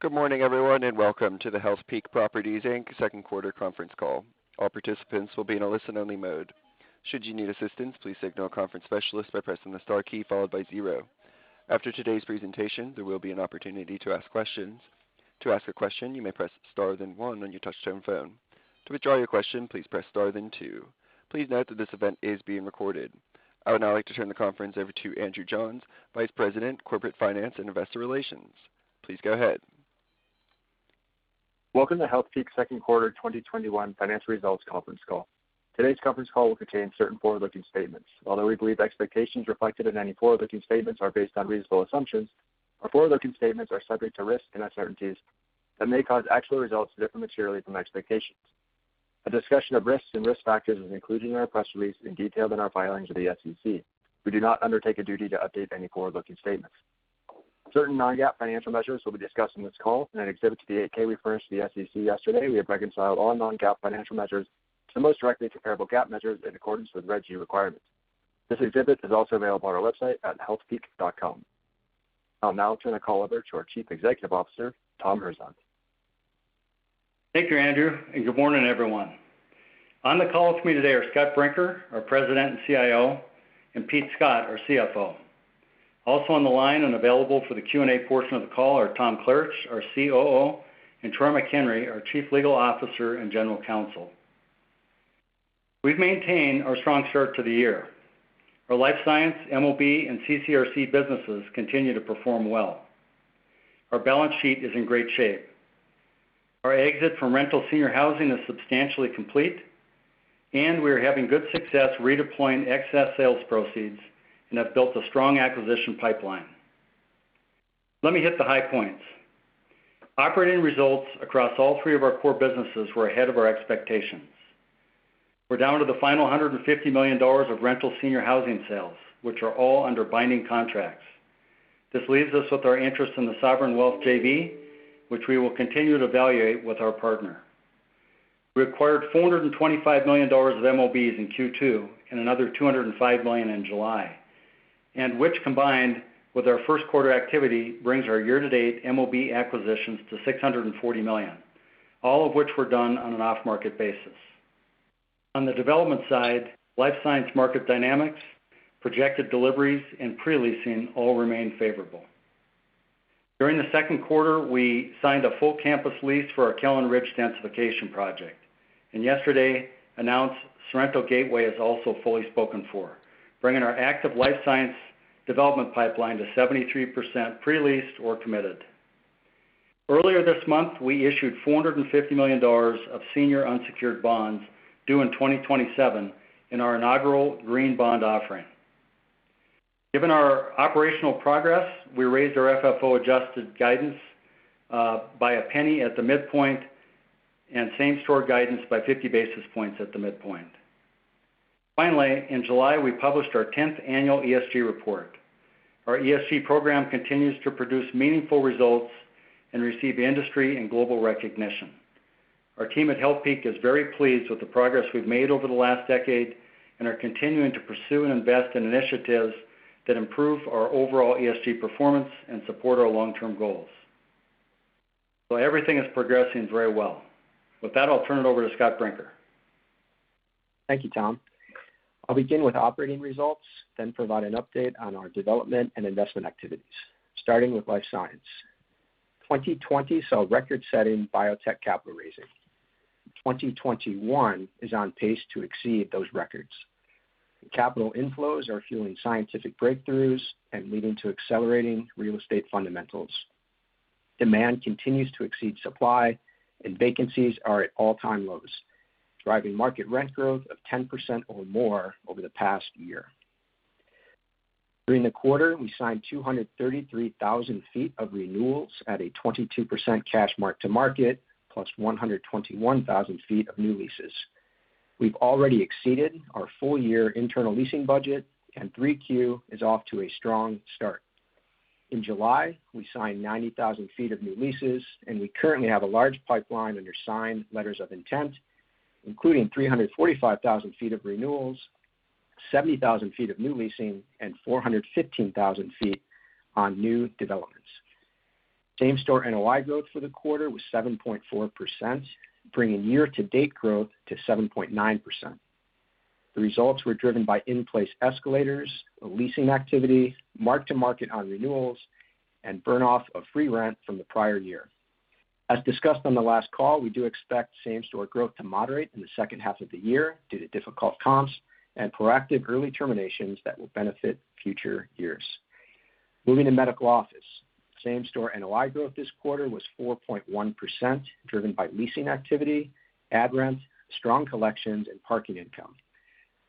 Good morning, everyone, and welcome to the Healthpeak Properties, Inc. Second Quarter Conference Call. All participants will be in a listen-only mode. Should you need assistance, please signal a conference specialist by pressing the star key, followed by zero. After today's presentation, there will be an opportunity to ask questions. To ask a question, you may press star, then one on your touchtone phone. To withdraw your question, please press star, then two. Please note that this event is being recorded. I would now like to turn the conference over to Andrew Johns, Vice President, Corporate Finance and Investor Relations. Please go ahead. Welcome to Healthpeak Properties' Second Quarter 2021 Financial Results Conference Call. Today's conference call will contain certain forward-looking statements. Although we believe the expectations reflected in any forward-looking statements are based on reasonable assumptions, our forward-looking statements are subject to risks and uncertainties that may cause actual results to differ materially from expectations. A discussion of risks and risk factors is included in our press release and detailed in our filings with the SEC. We do not undertake a duty to update any forward-looking statements. Certain non-GAAP financial measures will be discussed on this call. In an exhibit to the 8-K we furnished to the SEC yesterday, we have reconciled all non-GAAP financial measures to the most directly comparable GAAP measures in accordance with Regulation G requirements. This exhibit is also available on our website at healthpeak.com. I'll now turn the call over to our Chief Executive Officer, Tom Herzog. Thank you, Andrew, good morning, everyone. On the call with me today are Scott Brinker, our President and CIO, and Pete Scott, our CFO. Also on the line and available for the Q&A portion of the call are Tom Klaritch our COO, and Troy McHenry, our Chief Legal Officer and General Counsel. We've maintained our strong start to the year. Our life science, MOB, and CCRC businesses continue to perform well. Our balance sheet is in great shape. Our exit from rental senior housing is substantially complete, and we are having good success redeploying excess sales proceeds and have built a strong acquisition pipeline. Let me hit the high points. Operating results across all three of our core businesses were ahead of our expectations. We're down to the final $150 million of rental senior housing sales, which are all under binding contracts. This leaves us with our interest in the Sovereign Wealth JV, which we will continue to evaluate with our partner. We acquired $425 million of MOBs in Q2 and another $205 million in July, and which, combined with our first quarter activity, brings our year-to-date MOB acquisitions to $640 million, all of which were done on an off-market basis. On the development side, life science market dynamics, projected deliveries, and pre-leasing all remain favorable. During the second quarter, we signed a full campus lease for our Callan Ridge densification project, and yesterday announced Sorrento Gateway is also fully spoken for, bringing our active life science development pipeline to 73% pre-leased or committed. Earlier this month, we issued $450 million of senior unsecured bonds due in 2027 in our inaugural green bond offering. Given our operational progress, we raised our FFO-adjusted guidance by $0.01 at the midpoint and same-store guidance by 50 basis points at the midpoint. Finally, in July, we published our 10th annual ESG report. Our ESG program continues to produce meaningful results and receive industry and global recognition. Our team at Healthpeak is very pleased with the progress we've made over the last decade and are continuing to pursue and invest in initiatives that improve our overall ESG performance and support our long-term goals. Everything is progressing very well. With that, I'll turn it over to Scott Brinker. Thank you, Tom. I'll begin with operating results, then provide an update on our development and investment activities. Starting with Life Science. 2020 saw record-setting biotech capital raising. 2021 is on pace to exceed those records. Capital inflows are fueling scientific breakthroughs and leading to accelerating real estate fundamentals. Demand continues to exceed supply, and vacancies are at all-time lows, driving market rent growth of 10% or more over the past year. During the quarter, we signed 233,000 ft of renewals at a 22% cash mark-to-market, +121,000 ft of new leases. We've already exceeded our full-year internal leasing budget, and 3Q is off to a strong start. In July, we signed 90,000 ft of new leases, and we currently have a large pipeline under signed letters of intent, including 345,000 ft of renewals, 70,000 ft of new leasing, and 415,000 ft on new developments. Same-store NOI growth for the quarter was 7.4%, bringing year-to-date growth to 7.9%. The results were driven by in-place escalators, leasing activity, mark-to-market on renewals, and burn-off of free rent from the prior year. As discussed on the last call, we do expect same-store growth to moderate in the second half of the year due to difficult comps and proactive early terminations that will benefit future years. Moving to medical office. Same-store NOI growth this quarter was 4.1%, driven by leasing activity, ad rent, strong collections, and parking income.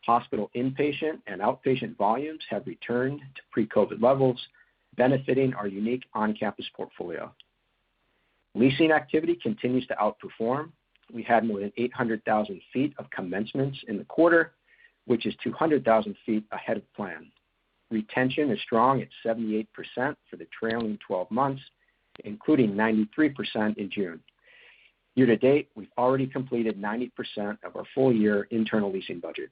Hospital inpatient and outpatient volumes have returned to pre-COVID levels, benefiting our unique on-campus portfolio. Leasing activity continues to outperform. We had more than 800,000 ft of commencements in the quarter, which is 200,000 ft ahead of plan. Retention is strong at 78% for the trailing 12 months, including 93% in June. Year to date, we've already completed 90% of our full-year internal leasing budget.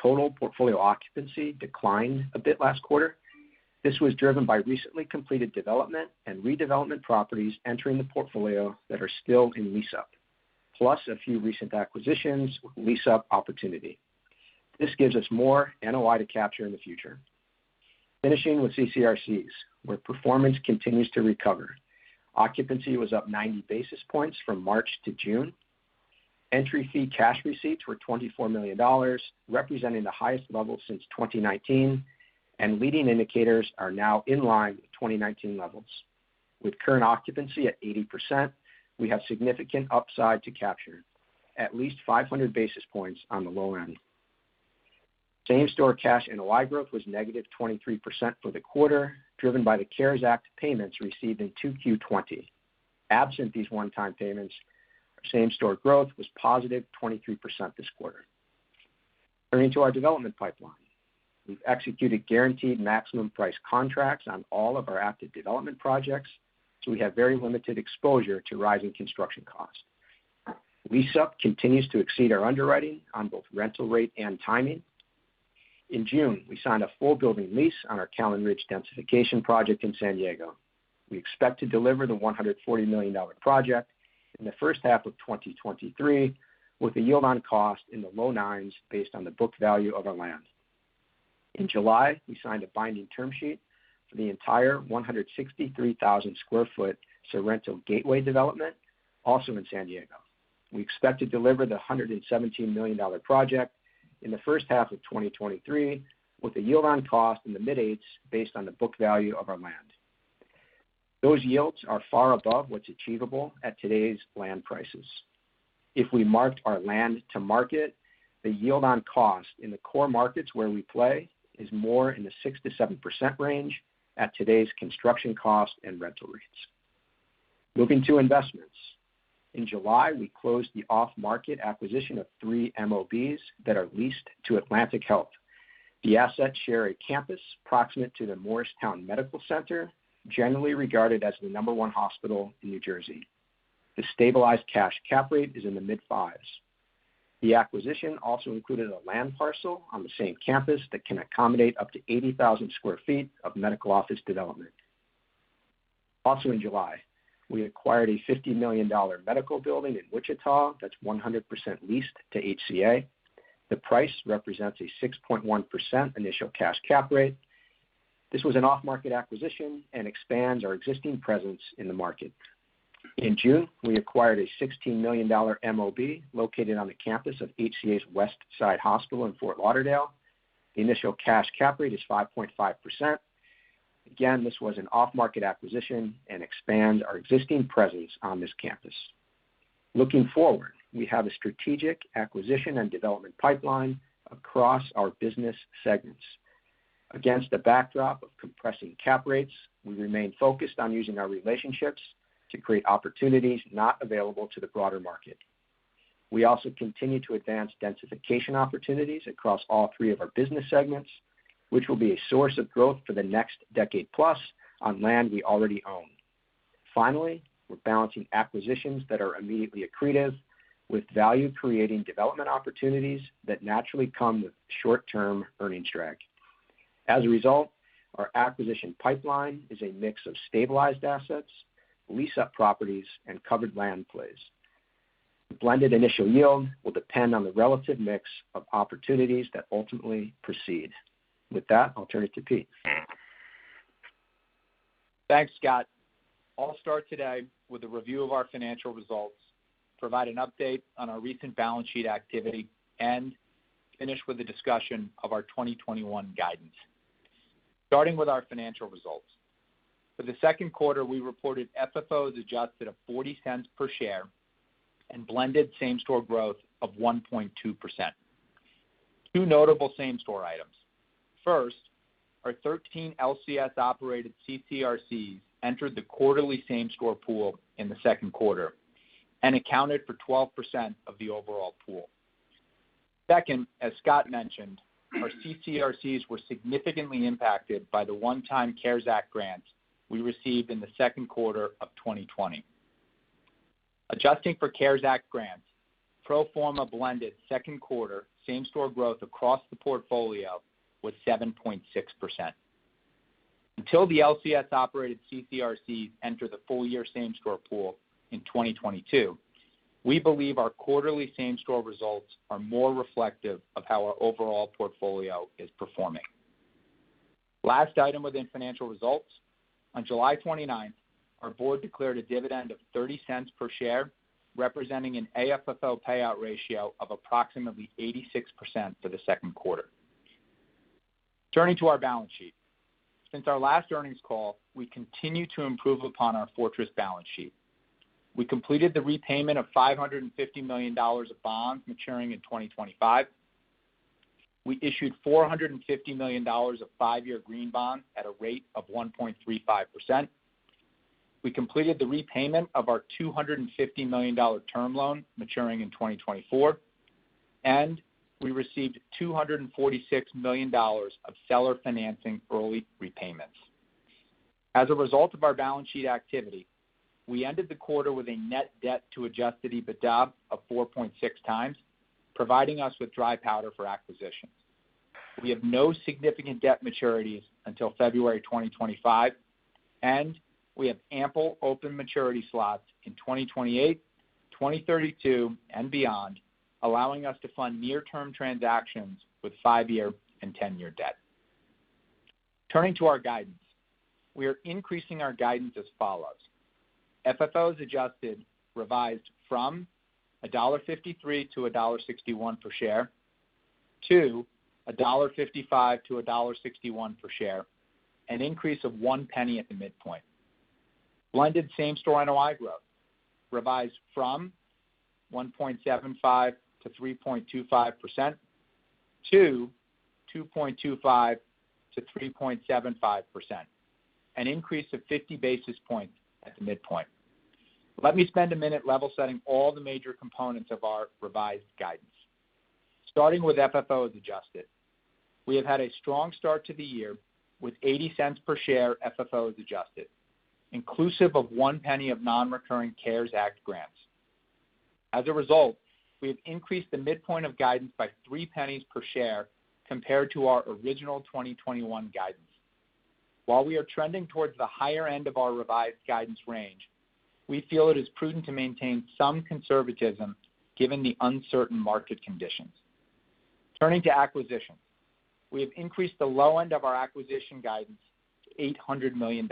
Total portfolio occupancy declined a bit last quarter. This was driven by recently completed development and redevelopment properties entering the portfolio that are still in lease-up, plus a few recent acquisitions with lease-up opportunity. This gives us more NOI to capture in the future. Finishing with CCRCs, where performance continues to recover. Occupancy was up 90 basis points from March to June. Entry fee cash receipts were $24 million, representing the highest level since 2019, and leading indicators are now in line with 2019 levels. With current occupancy at 80%, we have significant upside to capture at least 500 basis points on the low end. Same store cash NOI growth was -23% for the quarter, driven by the CARES Act payments received in 2Q 2020. Absent these one-time payments, our same store growth was +23% this quarter. Turning to our development pipeline. We've executed guaranteed maximum price contracts on all of our active development projects, so we have very limited exposure to rising construction costs. Lease up continues to exceed our underwriting on both rental rate and timing. In June, we signed a full building lease on our Callan Ridge densification project in San Diego. We expect to deliver the $140 million project in the first half of 2023 with a yield on cost in the low nines based on the book value of our land. In July, we signed a binding term sheet for the entire 163,000 sq ft Sorrento Gateway development, also in San Diego. We expect to deliver the $117 million project in the first half of 2023 with a yield on cost in the mid eights based on the book value of our land. Those yields are far above what's achievable at today's land prices. If we marked our land to market, the yield on cost in the core markets where we play is more in the 6%-7% range at today's construction cost and rental rates. Moving to investments. In July, we closed the off-market acquisition of three MOBs that are leased to Atlantic Health. The assets share a campus proximate to the Morristown Medical Center, generally regarded as the number one hospital in New Jersey. The stabilized cash cap rate is in the mid 5s. The acquisition also included a land parcel on the same campus that can accommodate up to 80,000 sq ft of medical office development. Also in July, we acquired a $50 million medical building in Wichita that's 100% leased to HCA. The price represents a 6.1% initial cash cap rate. This was an off-market acquisition and expands our existing presence in the market. In June, we acquired a $16 million MOB located on the campus of HCA's Westside Hospital in Fort Lauderdale. The initial cash cap rate is 5.5%. Again, this was an off-market acquisition and expands our existing presence on this campus. Looking forward, we have a strategic acquisition and development pipeline across our business segments. Against a backdrop of compressing cap rates, we remain focused on using our relationships to create opportunities not available to the broader market. We also continue to advance densification opportunities across all three of our business segments, which will be a source of growth for the next decade plus on land we already own. Finally, we're balancing acquisitions that are immediately accretive with value creating development opportunities that naturally come with short-term earnings drag. As a result, our acquisition pipeline is a mix of stabilized assets, lease up properties, and covered land plays. The blended initial yield will depend on the relative mix of opportunities that ultimately proceed. With that, I'll turn it to Pete. Thanks, Scott. I will start today with a review of our financial results, provide an update on our recent balance sheet activity, and finish with a discussion of our 2021 guidance. Starting with our financial results. For the second quarter, we reported FFO as adjusted of $0.40 per share and blended same store growth of 1.2%. Two notable same store items. First, our 13 LCS-operated CCRCs entered the quarterly same store pool in the second quarter and accounted for 12% of the overall pool. Second, as Scott mentioned, our CCRCs were significantly impacted by the one-time CARES Act grants we received in the second quarter of 2020. Adjusting for CARES Act grants, pro forma blended second quarter same store growth across the portfolio was 7.6%. Until the LCS-operated CCRC enter the full year same store pool in 2022, we believe our quarterly same store results are more reflective of how our overall portfolio is performing. Last item within financial results. On July 29th, our board declared a dividend of $0.30 per share, representing an AFFO payout ratio of approximately 86% for the second quarter. Turning to our balance sheet. Since our last earnings call, we continue to improve upon our fortress balance sheet. We completed the repayment of $550 million of bonds maturing in 2025. We issued $450 million of five-year green bonds at a rate of 1.35%. We completed the repayment of our $250 million term loan maturing in 2024, and we received $246 million of seller financing early repayments. As a result of our balance sheet activity, we ended the quarter with a net debt to adjusted EBITDA of 4.6x, providing us with dry powder for acquisition. We have no significant debt maturities until February 2025, and we have ample open maturity slots in 2028, 2032, and beyond, allowing us to fund near-term transactions with five-year and 10-year debt. Turning to our guidance, we are increasing our guidance as follows. FFO as adjusted revised from $1.53-$1.61 per share to $1.55-$1.61 per share, an increase of $0.01 at the midpoint. Blended same-store NOI growth revised from 1.75%-3.25% to 2.25%-3.75%, an increase of 50 basis points at the midpoint. Let me spend a minute level setting all the major components of our revised guidance. Starting with FFO as Adjusted, we have had a strong start to the year with $0.80 per share FFO as Adjusted, inclusive of $0.01 of non-recurring CARES Act grants. As a result, we have increased the midpoint of guidance by $0.03 per share compared to our original 2021 guidance. While we are trending towards the higher end of our revised guidance range, we feel it is prudent to maintain some conservatism given the uncertain market conditions. Turning to acquisition, we have increased the low end of our acquisition guidance to $800 million,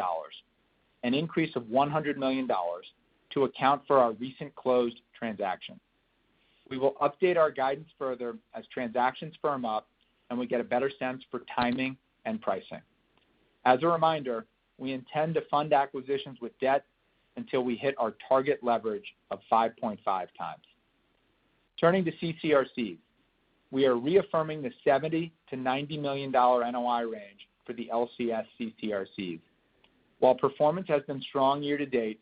an increase of $100 million to account for our recent closed transaction. We will update our guidance further as transactions firm up and we get a better sense for timing and pricing. As a reminder, we intend to fund acquisitions with debt until we hit our target leverage of 5.5x. Turning to CCRCs, we are reaffirming the $70 million-$90 million NOI range for the LCS CCRCs. While performance has been strong year to date,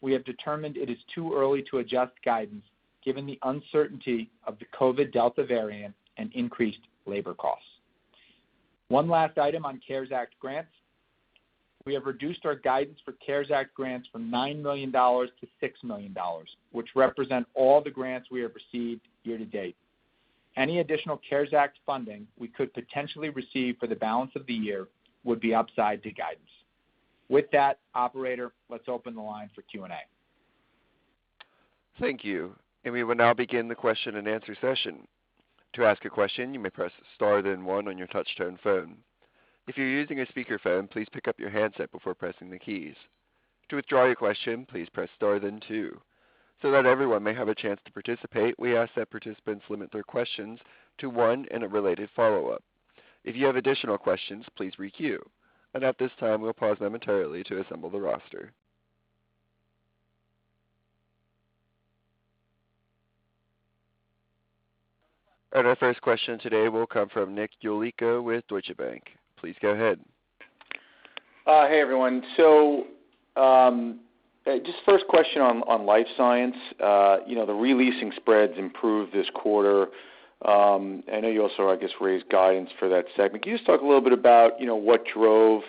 we have determined it is too early to adjust guidance given the uncertainty of the COVID Delta variant and increased labor costs. One last item on CARES Act grants. We have reduced our guidance for CARES Act grants from $9 million to $6 million, which represent all the grants we have received year to date. Any additional CARES Act funding we could potentially receive for the balance of the year would be upside to guidance. With that, operator, let's open the line for Q&A. Thank you. We will now begin the question and answer session. To ask a question, you may press star then one on your touchtone phone. If you're using a speakerphone, please pick up your handset before pressing the keys. To withdraw your question, please press star then two. So that everyone may have a chance to participate, we ask that participants limit their questions to one and a related follow-up. If you have additional questions, please requeue. And at this time, we'll pause momentarily to assemble the roster. Our first question today will come from Nick Yulico with Deutsche Bank. Please go ahead. Hey, everyone. Just first question on life science. The re-leasing spreads improved this quarter. I know you also, I guess, raised guidance for that segment. Can you just talk a little bit about what drove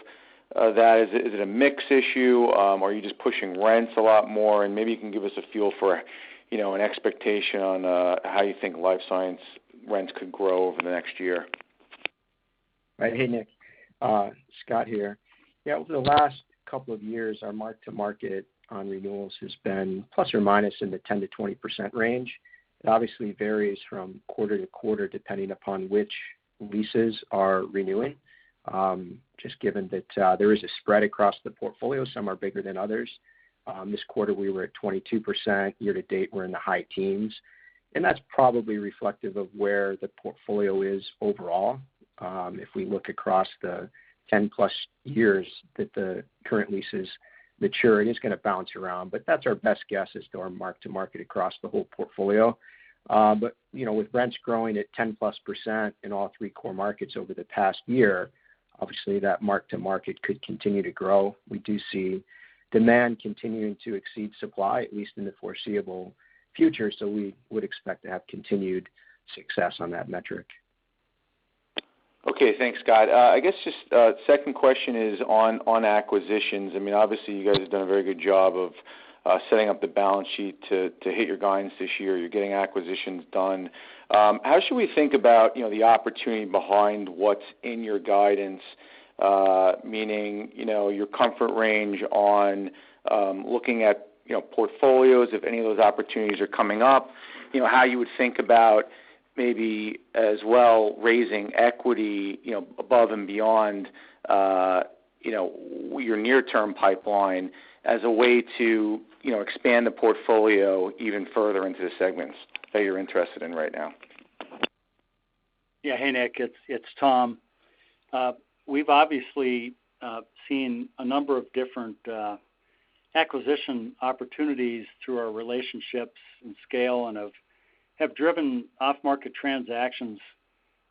that? Is it a mix issue? Are you just pushing rents a lot more? Maybe you can give us a feel for an expectation on how you think life science rents could grow over the next year. Right. Hey, Nick. Scott here. Yeah, over the last couple of years, our mark to market on renewals has been ± in the 10%-20% range. It obviously varies from quarter to quarter, depending upon which leases are renewing. Just given that there is a spread across the portfolio, some are bigger than others. This quarter, we were at 22%. Year to date, we're in the high teens, and that's probably reflective of where the portfolio is overall. If we look across the 10+ years that the current leases mature, it is going to bounce around. That's our best guess as to our mark to market across the whole portfolio. With rents growing at 10%+ in all three core markets over the past year, obviously that mark to market could continue to grow. We do see demand continuing to exceed supply, at least in the foreseeable future, so we would expect to have continued success on that metric. Okay. Thanks, Scott. I guess just a second question is on acquisitions. Obviously, you guys have done a very good job of setting up the balance sheet to hit your guidance this year. You're getting acquisitions done. How should we think about the opportunity behind what's in your guidance? Meaning, your comfort range on looking at portfolios, if any of those opportunities are coming up. How you would think about maybe as well raising equity above and beyond your near-term pipeline as a way to expand the portfolio even further into the segments that you're interested in right now. Yeah. Hey, Nick, it's Tom. We've obviously seen a number of different acquisition opportunities through our relationships and scale and have driven off-market transactions.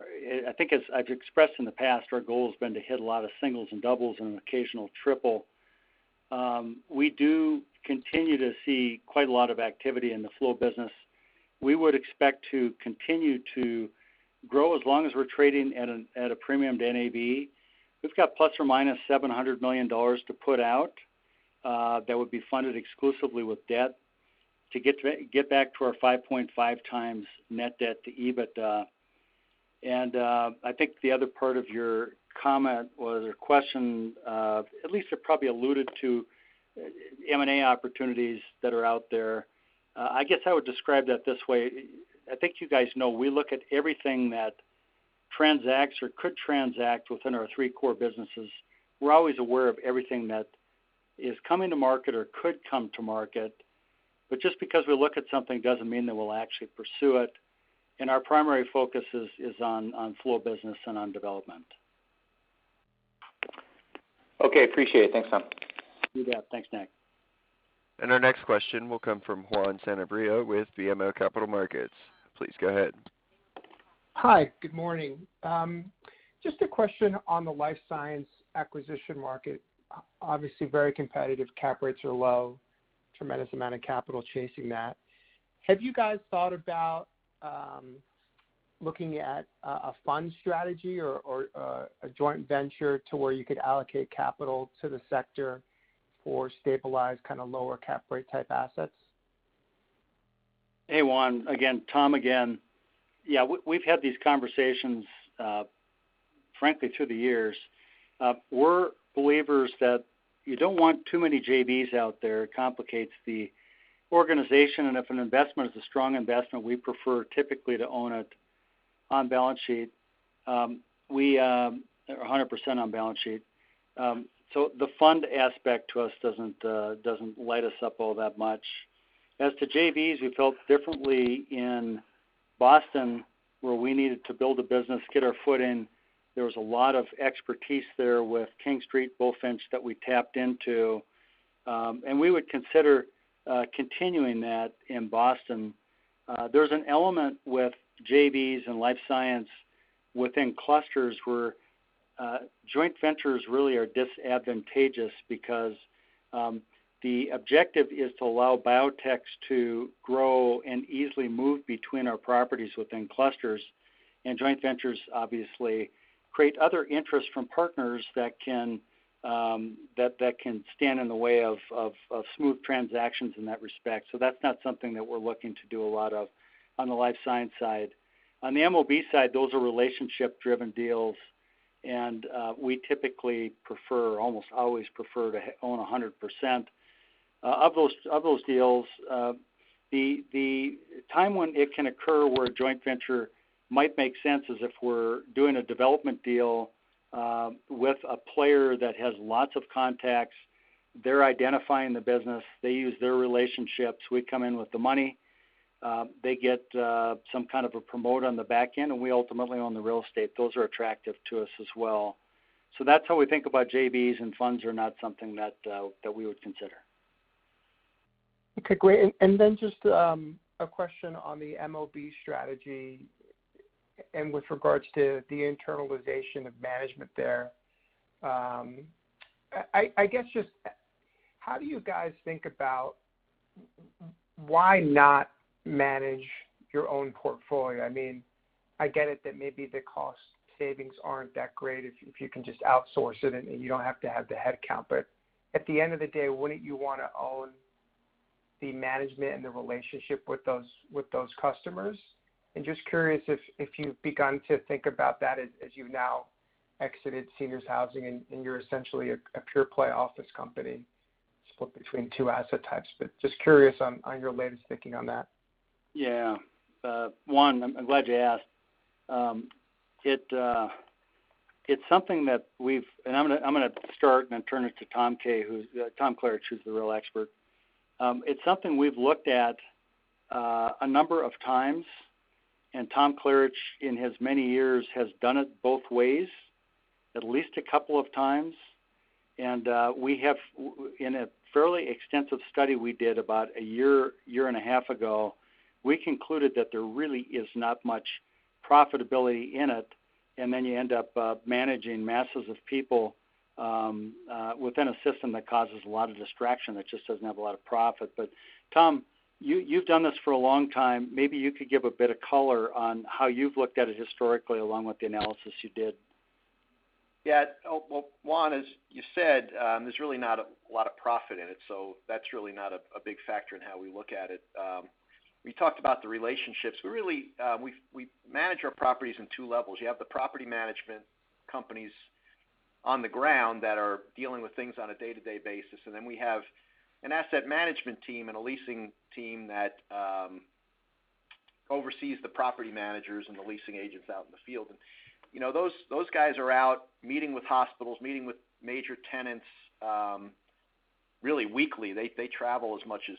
I think as I've expressed in the past, our goal has been to hit a lot of singles and doubles and an occasional triple. We do continue to see quite a lot of activity in the flow business We would expect to continue to grow as long as we're trading at a premium to NAV. We've got ±$700 million to put out that would be funded exclusively with debt to get back to our 5.5x net debt to EBITDA. I think the other part of your comment was a question, at least it probably alluded to M&A opportunities that are out there. I guess I would describe that this way. I think you guys know we look at everything that transacts or could transact within our three core businesses. We're always aware of everything that is coming to market or could come to market. Just because we look at something doesn't mean that we'll actually pursue it. Our primary focus is on flow of business and on development. Okay. Appreciate it. Thanks, Tom. You bet. Thanks, Nick. Our next question will come from Juan Sanabria with BMO Capital Markets. Please go ahead. Hi. Good morning. Just a question on the life science acquisition market. Obviously very competitive, cap rates are low, tremendous amount of capital chasing that. Have you guys thought about looking at a fund strategy or a joint venture to where you could allocate capital to the sector for stabilized kind of lower cap rate type assets? Hey, Juan. Tom again. Yeah, we've had these conversations, frankly, through the years. We're believers that you don't want too many JVs out there. It complicates the organization, and if an investment is a strong investment, we prefer typically to own it on balance sheet, 100% on balance sheet. The fund aspect to us doesn't light us up all that much. As to JVs, we felt differently in Boston where we needed to build a business, get our foot in. There was a lot of expertise there with King Street, Bulfinch that we tapped into. We would consider continuing that in Boston. There's an element with JVs and life science within clusters where joint ventures really are disadvantageous because the objective is to allow biotechs to grow and easily move between our properties within clusters. Joint ventures obviously create other interests from partners that can stand in the way of smooth transactions in that respect. That's not something that we're looking to do a lot of on the life science side. On the MOB side, those are relationship-driven deals, and we typically prefer, almost always prefer to own 100% of those deals. The time when it can occur where a joint venture might make sense is if we're doing a development deal with a player that has lots of contacts. They're identifying the business. They use their relationships. We come in with the money. They get some kind of a promote on the back end, and we ultimately own the real estate. Those are attractive to us as well. That's how we think about JVs and funds are not something that we would consider. Okay, great. Just a question on the MOB strategy and with regards to the internalization of management there. I guess just how do you guys think about why not manage your own portfolio? I get it that maybe the cost savings aren't that great if you can just outsource it and you don't have to have the headcount. At the end of the day, wouldn't you want to own the management and the relationship with those customers? Just curious if you've begun to think about that as you've now exited seniors housing and you're essentially a pure-play office company split between two asset types. Just curious on your latest thinking on that. Yeah. Juan, I'm glad you asked. It's something that I'm going to start and then turn it to Tom K., Tom Klaritch, who's the real expert. It's something we've looked at a number of times, and Tom Klaritch in his many years has done it both ways at least a couple of times. In a fairly extensive study we did about a year and a half ago, we concluded that there really is not much profitability in it, and then you end up managing masses of people within a system that causes a lot of distraction, that just doesn't have a lot of profit. Tom, you've done this for a long time. Maybe you could give a bit of color on how you've looked at it historically along with the analysis you did. Yeah. Well, Juan, as you said, there's really not a lot of profit in it, so that's really not a big factor in how we look at it. We talked about the relationships. We manage our properties in 2 levels. You have the property management companies on the ground that are dealing with things on a day-to-day basis. Then we have an asset management team and a leasing team that oversees the property managers and the leasing agents out in the field. Those guys are out meeting with hospitals, meeting with major tenants really weekly. They travel as much as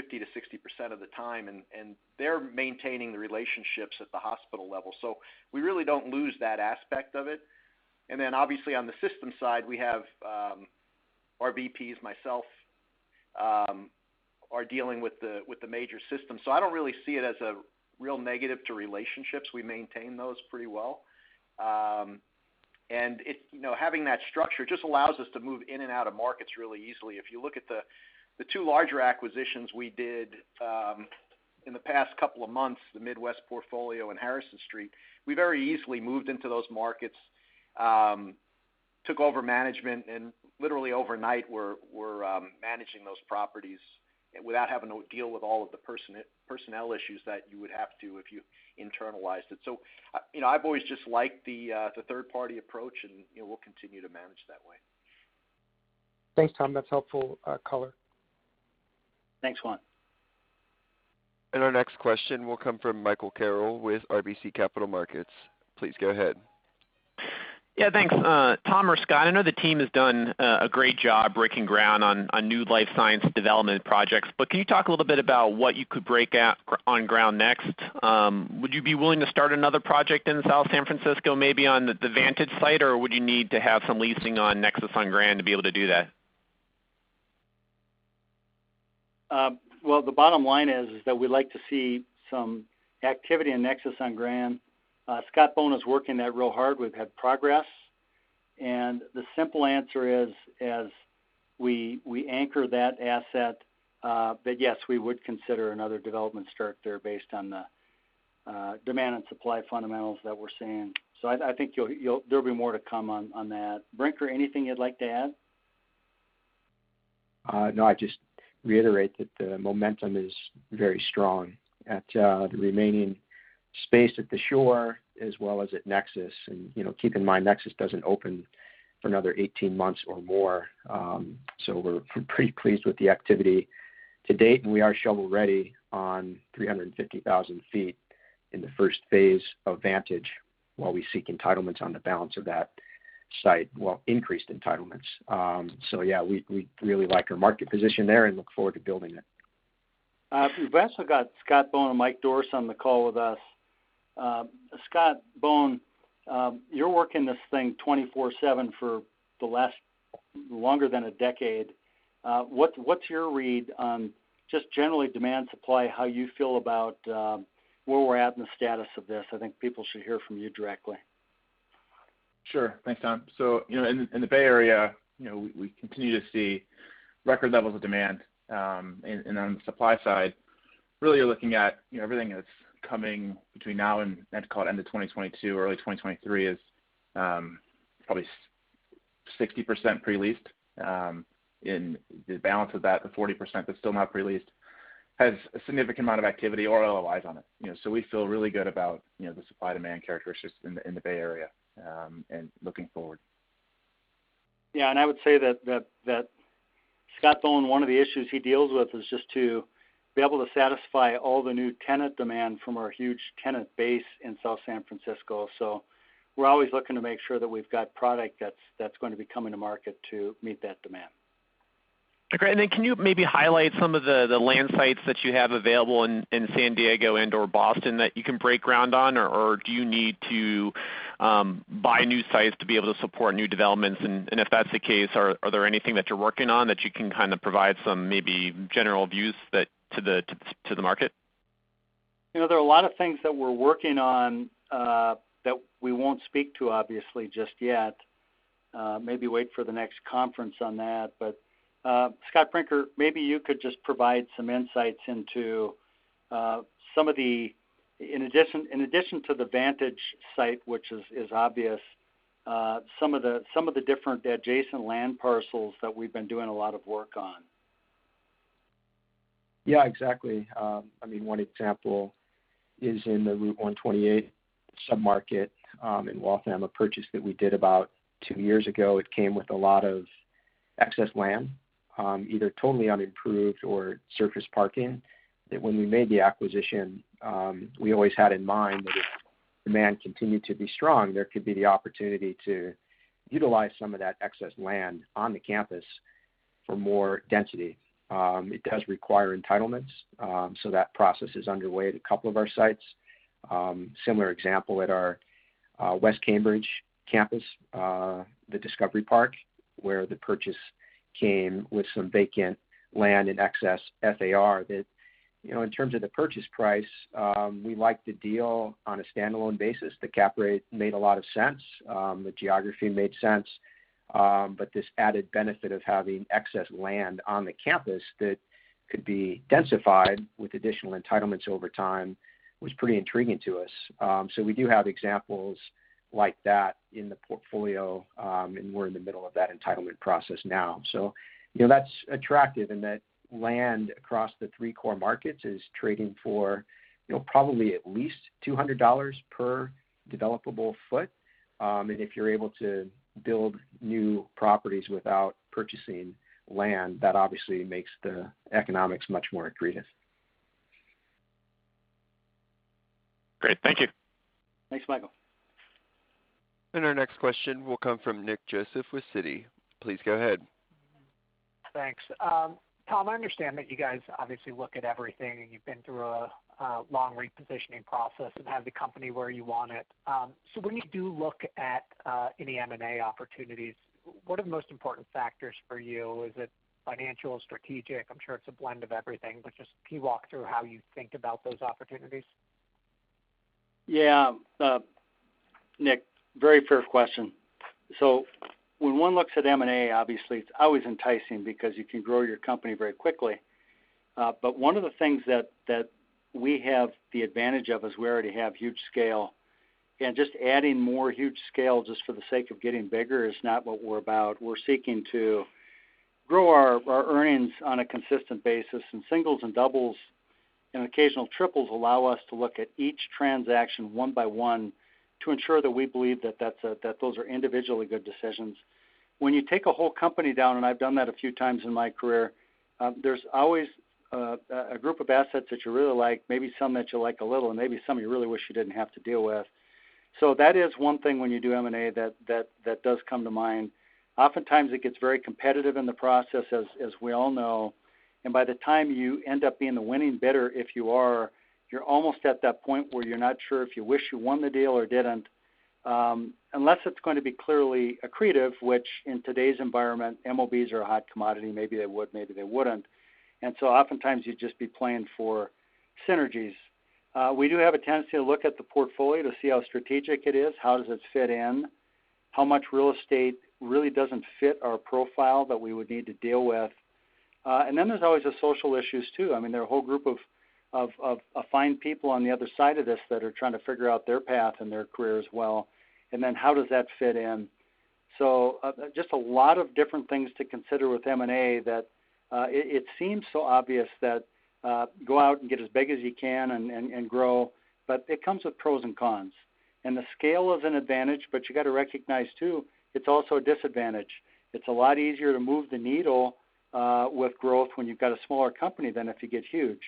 50%-60% of the time, and they're maintaining the relationships at the hospital level. We really don't lose that aspect of it. Then obviously on the system side, we have our VPs, myself, are dealing with the major systems. I don't really see it as a real negative to relationships. We maintain those pretty well. Having that structure just allows us to move in and out of markets really easily. If you look at the two larger acquisitions we did in the past couple of months, the Midwest portfolio and Harrison Street, we very easily moved into those markets, took over management, and literally overnight, we're managing those properties without having to deal with all of the personnel issues that you would have to if you internalized it. I've always just liked the third-party approach, and we'll continue to manage that way. Thanks, Tom. That's helpful color. Thanks, Juan. Our next question will come from Michael Carroll with RBC Capital Markets. Please go ahead. Yeah, thanks. Tom or Scott, I know the team has done a great job breaking ground on new life science development projects, but can you talk a little bit about what you could break on ground next? Would you be willing to start another project in South San Francisco, maybe on the Vantage site? Or would you need to have some leasing on Nexus on Grand to be able to do that? Well, the bottom line is that we'd like to see some activity in Nexus on Grand. Scott Bohn is working that real hard. We've had progress. The simple answer is, as we anchor that asset, but yes, we would consider another development start there based on the demand and supply fundamentals that we're seeing. I think there'll be more to come on that. Brinker, anything you'd like to add? I'd just reiterate that the momentum is very strong at the remaining space at The Shore as well as at Nexus. Keep in mind, Nexus doesn't open for another 18 months or more. We're pretty pleased with the activity to date, and we are shovel-ready on 350,000 ft in the first phase of Vantage while we seek entitlements on the balance of that site, well, increased entitlements. Yeah, we really like our market position there and look forward to building it. We've also got Scott Bohn and Michael Dorris on the call with us. Scott Bohn, you're working this thing 24/7 for longer than a decade. What's your read on just generally demand, supply, how you feel about where we're at in the status of this? I think people should hear from you directly. Sure. Thanks, Tom. In the Bay Area, we continue to see record levels of demand. On the supply side, really you're looking at everything that's coming between now and end of 2022 or early 2023 is probably 60% pre-leased. The balance of that, the 40% that's still not pre-leased, has a significant amount of activity or LOIs on it. We feel really good about the supply-demand characteristics in the Bay Area, and looking forward. I would say that Scott Bohn, one of the issues he deals with is just to be able to satisfy all the new tenant demand from our huge tenant base in South San Francisco. We're always looking to make sure that we've got product that's going to be coming to market to meet that demand. Okay. Can you maybe highlight some of the land sites that you have available in San Diego and/or Boston that you can break ground on? Do you need to buy new sites to be able to support new developments? If that's the case, are there anything that you're working on that you can kind of provide some maybe general views to the market? There are a lot of things that we're working on that we won't speak to obviously just yet. Maybe wait for the next conference on that. Scott Brinker, maybe you could just provide some insights into some of the, in addition to the Vantage site, which is obvious, some of the different adjacent land parcels that we've been doing a lot of work on. Yeah, exactly. One example is in the Route 128 sub-market in Waltham, a purchase that we did about two years ago. It came with a lot of excess land, either totally unimproved or surface parking, that when we made the acquisition, we always had in mind that if demand continued to be strong, there could be the opportunity to utilize some of that excess land on the campus for more density. It does require entitlements, so that process is underway at a couple of our sites. Similar example at our West Cambridge campus, The Discovery Park, where the purchase came with some vacant land and excess FAR that in terms of the purchase price, we liked the deal on a standalone basis. The cap rate made a lot of sense. The geography made sense. This added benefit of having excess land on the campus that could be densified with additional entitlements over time was pretty intriguing to us. We do have examples like that in the portfolio, and we're in the middle of that entitlement process now. That's attractive, and that land across the three core markets is trading for probably at least $200 per developable foot. If you're able to build new properties without purchasing land, that obviously makes the economics much more intriguing. Great. Thank you. Thanks, Michael. Our next question will come from Nicholas Joseph with Citi. Please go ahead. Thanks. Tom, I understand that you guys obviously look at everything, and you've been through a long repositioning process and have the company where you want it. When you do look at any M&A opportunities, what are the most important factors for you? Is it financial, strategic? I'm sure it's a blend of everything, but just can you walk through how you think about those opportunities? Yeah. Nick, very fair question. When one looks at M&A, obviously it's always enticing because you can grow your company very quickly. One of the things that we have the advantage of is we already have huge scale, and just adding more huge scale just for the sake of getting bigger is not what we're about. We're seeking to grow our earnings on a consistent basis, singles and doubles and occasional triples allow us to look at each transaction one by one to ensure that we believe that those are individually good decisions. When you take a whole company down, and I've done that a few times in my career, there's always a group of assets that you really like, maybe some that you like a little, and maybe some you really wish you didn't have to deal with. That is one thing when you do M&A that does come to mind. Oftentimes it gets very competitive in the process, as we all know, and by the time you end up being the winning bidder, if you are, you're almost at that point where you're not sure if you wish you won the deal or didn't, unless it's going to be clearly accretive, which in today's environment, MOBs are a hot commodity. Maybe they would, maybe they wouldn't. Oftentimes you'd just be playing for synergies. We do have a tendency to look at the portfolio to see how strategic it is, how does it fit in, how much real estate really doesn't fit our profile that we would need to deal with. There's always the social issues, too. There are a whole group of fine people on the other side of this that are trying to figure out their path and their career as well, and then how does that fit in. Just a lot of different things to consider with M&A that it seems so obvious that go out and get as big as you can and grow, but it comes with pros and cons. The scale is an advantage, but you got to recognize, too, it's also a disadvantage. It's a lot easier to move the needle with growth when you've got a smaller company than if you get huge.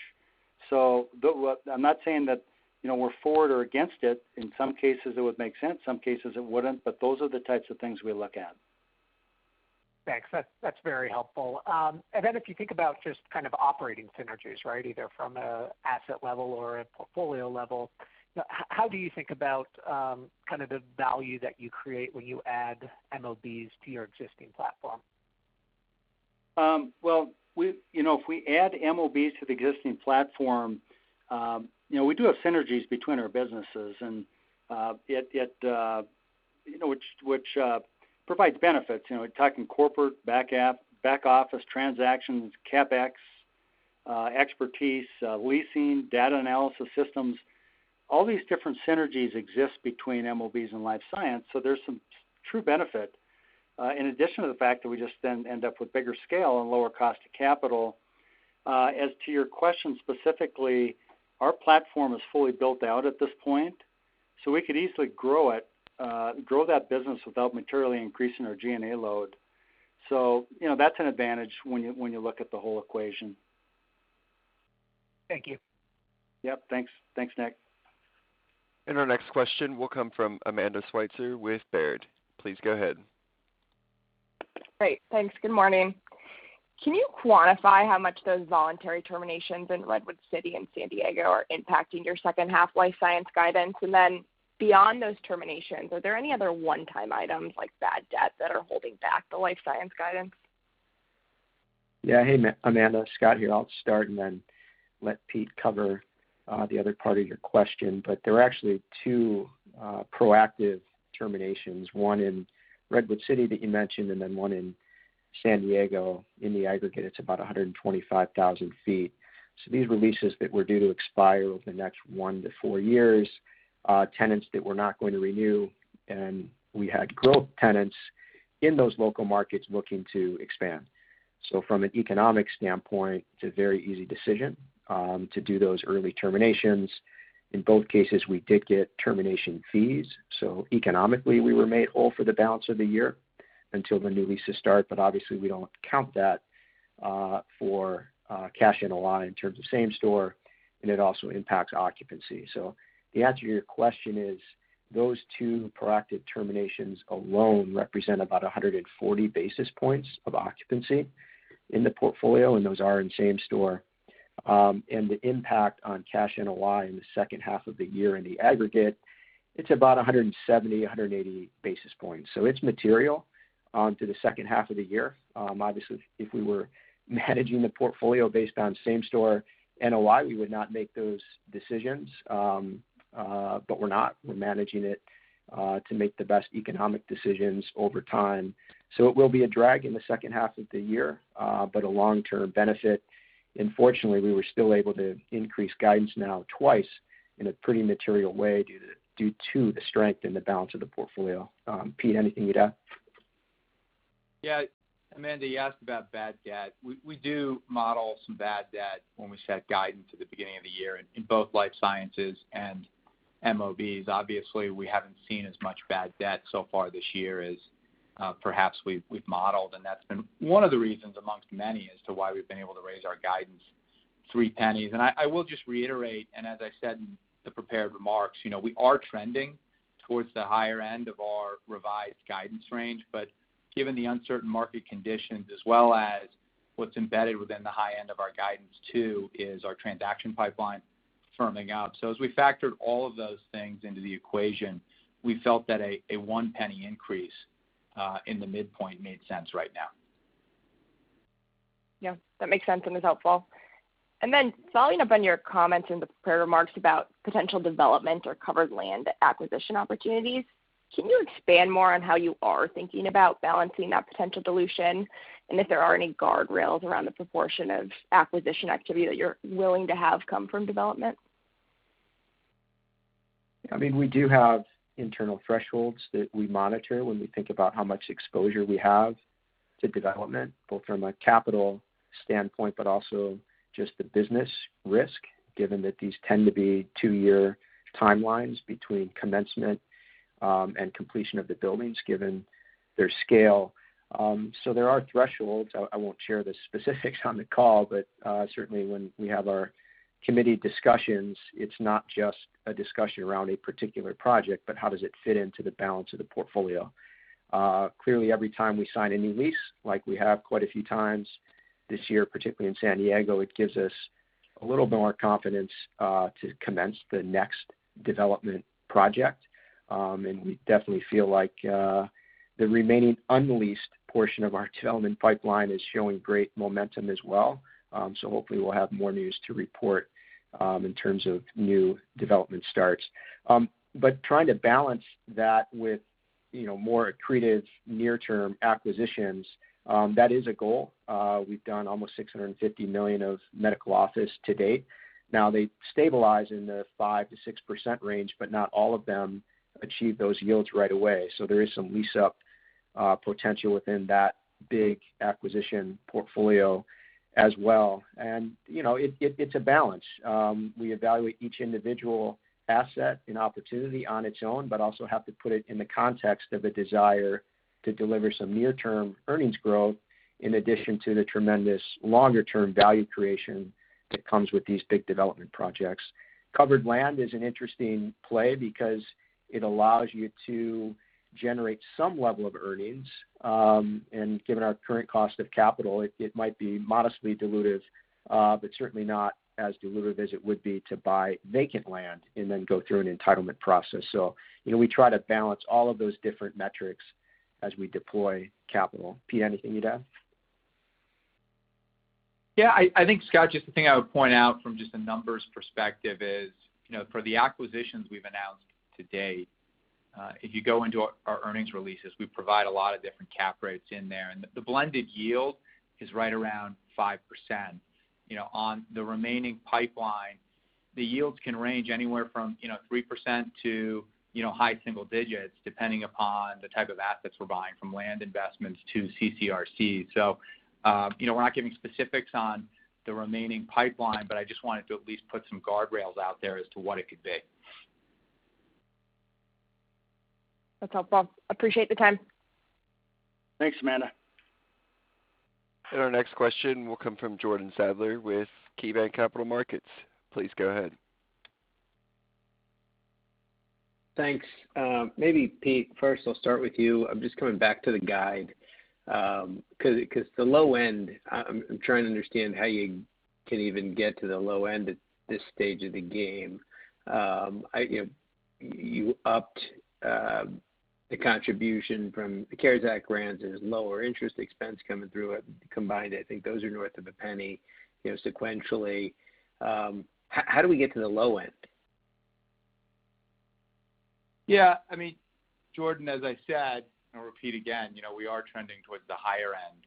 I'm not saying that we're for it or against it. In some cases, it would make sense, some cases it wouldn't. Those are the types of things we look at. Thanks. That's very helpful. If you think about just kind of operating synergies, either from an asset level or a portfolio level, how do you think about kind of the value that you create when you add MOBs to your existing platform? Well, if we add MOBs to the existing platform, we do have synergies between our businesses, which provides benefits. We're talking corporate back office transactions, CapEx expertise, leasing, data analysis systems. All these different synergies exist between MOBs and life science, so there's some true benefit. In addition to the fact that we just then end up with bigger scale and lower cost to capital. As to your question specifically, our platform is fully built out at this point, so we could easily grow that business without materially increasing our G&A load. That's an advantage when you look at the whole equation. Thank you. Yep. Thanks, Nick. Our next question will come from Amanda Sweitzer with Baird. Please go ahead. Great. Thanks. Good morning. Can you quantify how much those voluntary terminations in Redwood City and San Diego are impacting your second half life science guidance? Beyond those terminations, are there any other one-time items, like bad debt, that are holding back the life science guidance? Hey, Amanda. Scott here. I'll start and then let Pete cover the other part of your question. There are actually two proactive terminations, one in Redwood City that you mentioned, and then one in San Diego. In the aggregate, it's about 125,000 ft. These were leases that were due to expire over the next one to four years, tenants that were not going to renew, and we had growth tenants in those local markets looking to expand. From an economic standpoint, it's a very easy decision to do those early terminations. In both cases, we did get termination fees, economically we were made whole for the balance of the year until the new leases start. Obviously we don't count that for cash NOI in terms of same store, and it also impacts occupancy. The answer to your question is those two proactive terminations alone represent about 140 basis points of occupancy in the portfolio, and those are in same store. The impact on cash NOI in the second half of the year in the aggregate, it's about 170, 180 basis points. It's material to the second half of the year. Obviously, if we were managing the portfolio based on same-store NOI, we would not make those decisions. We're not. We're managing it to make the best economic decisions over time. It will be a drag in the second half of the year, but a long-term benefit. Fortunately, we were still able to increase guidance now twice in a pretty material way due to the strength and the balance of the portfolio. Pete, anything you'd add? Amanda, you asked about bad debt. We do model some bad debt when we set guidance at the beginning of the year in both life sciences and MOBs. Obviously, we haven't seen as much bad debt so far this year as perhaps we've modeled, and that's been one of the reasons amongst many as to why we've been able to raise our guidance $0.03. I will just reiterate, and as I said in the prepared remarks, we are trending towards the higher end of our revised guidance range. Given the uncertain market conditions as well as what's embedded within the high end of our guidance too is our transaction pipeline firming up. As we factored all of those things into the equation, we felt that a $0.01 increase in the midpoint made sense right now. Yeah, that makes sense and is helpful. Following up on your comments in the prepared remarks about potential development or covered land acquisition opportunities, can you expand more on how you are thinking about balancing that potential dilution and if there are any guardrails around the proportion of acquisition activity that you're willing to have come from development? We do have internal thresholds that we monitor when we think about how much exposure we have to development, both from a capital standpoint, but also just the business risk, given that these tend to be two-year timelines between commencement and completion of the buildings, given their scale. There are thresholds. I won't share the specifics on the call, but certainly when we have our committee discussions, it's not just a discussion around a particular project, but how does it fit into the balance of the portfolio. Clearly, every time we sign a new lease, like we have quite a few times this year, particularly in San Diego, it gives us a little more confidence to commence the next development project. We definitely feel like the remaining unleased portion of our development pipeline is showing great momentum as well. Hopefully we'll have more news to report in terms of new development starts. Trying to balance that with more accretive near-term acquisitions, that is a goal. We've done almost $650 million of medical office to date. They stabilize in the 5%-6% range, but not all of them achieve those yields right away. There is some lease-up potential within that big acquisition portfolio as well. It's a balance. We evaluate each individual asset and opportunity on its own, but also have to put it in the context of a desire to deliver some near-term earnings growth, in addition to the tremendous longer-term value creation that comes with these big development projects. Covered land is an interesting play because it allows you to generate some level of earnings. Given our current cost of capital, it might be modestly dilutive, but certainly not as dilutive as it would be to buy vacant land and then go through an entitlement process. We try to balance all of those different metrics as we deploy capital. Pete, anything you'd add? I think, Scott, just the thing I would point out from just a numbers perspective is, for the acquisitions we've announced to date, if you go into our earnings releases, we provide a lot of different cap rates in there. The blended yield is right around 5%. On the remaining pipeline, the yields can range anywhere from 3% to high single digits, depending upon the type of assets we're buying, from land investments to CCRCs. We're not giving specifics on the remaining pipeline, but I just wanted to at least put some guardrails out there as to what it could be. That's helpful. Appreciate the time. Thanks, Amanda. Our next question will come from Jordan Sadler with KeyBanc Capital Markets. Please go ahead. Thanks. Maybe Pete, first I'll start with you. I'm just coming back to the guide, because the low end, I'm trying to understand how you can even get to the low end at this stage of the game. You upped the contribution from the CARES Act grants and this lower interest expense coming through it, combined, I think those are north of $0.01 sequentially. How do we get to the low end? Jordan, as I said, and I'll repeat again, we are trending towards the higher end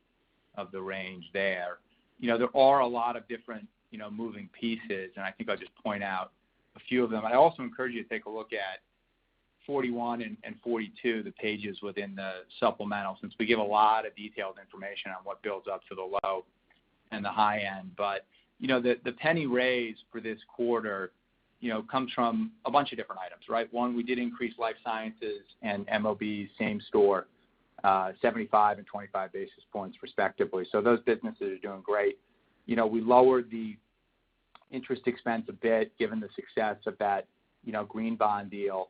of the range there. There are a lot of different moving pieces, and I think I'll just point out a few of them. I'd also encourage you to take a look at 41 and 42, the pages within the supplemental, since we give a lot of detailed information on what builds up to the low and the high end. The penny raise for this quarter comes from a bunch of different items, right? One, we did increase life sciences and MOB same store, 75 and 25 basis points respectively. Those businesses are doing great. We lowered the interest expense a bit given the success of that green bond deal.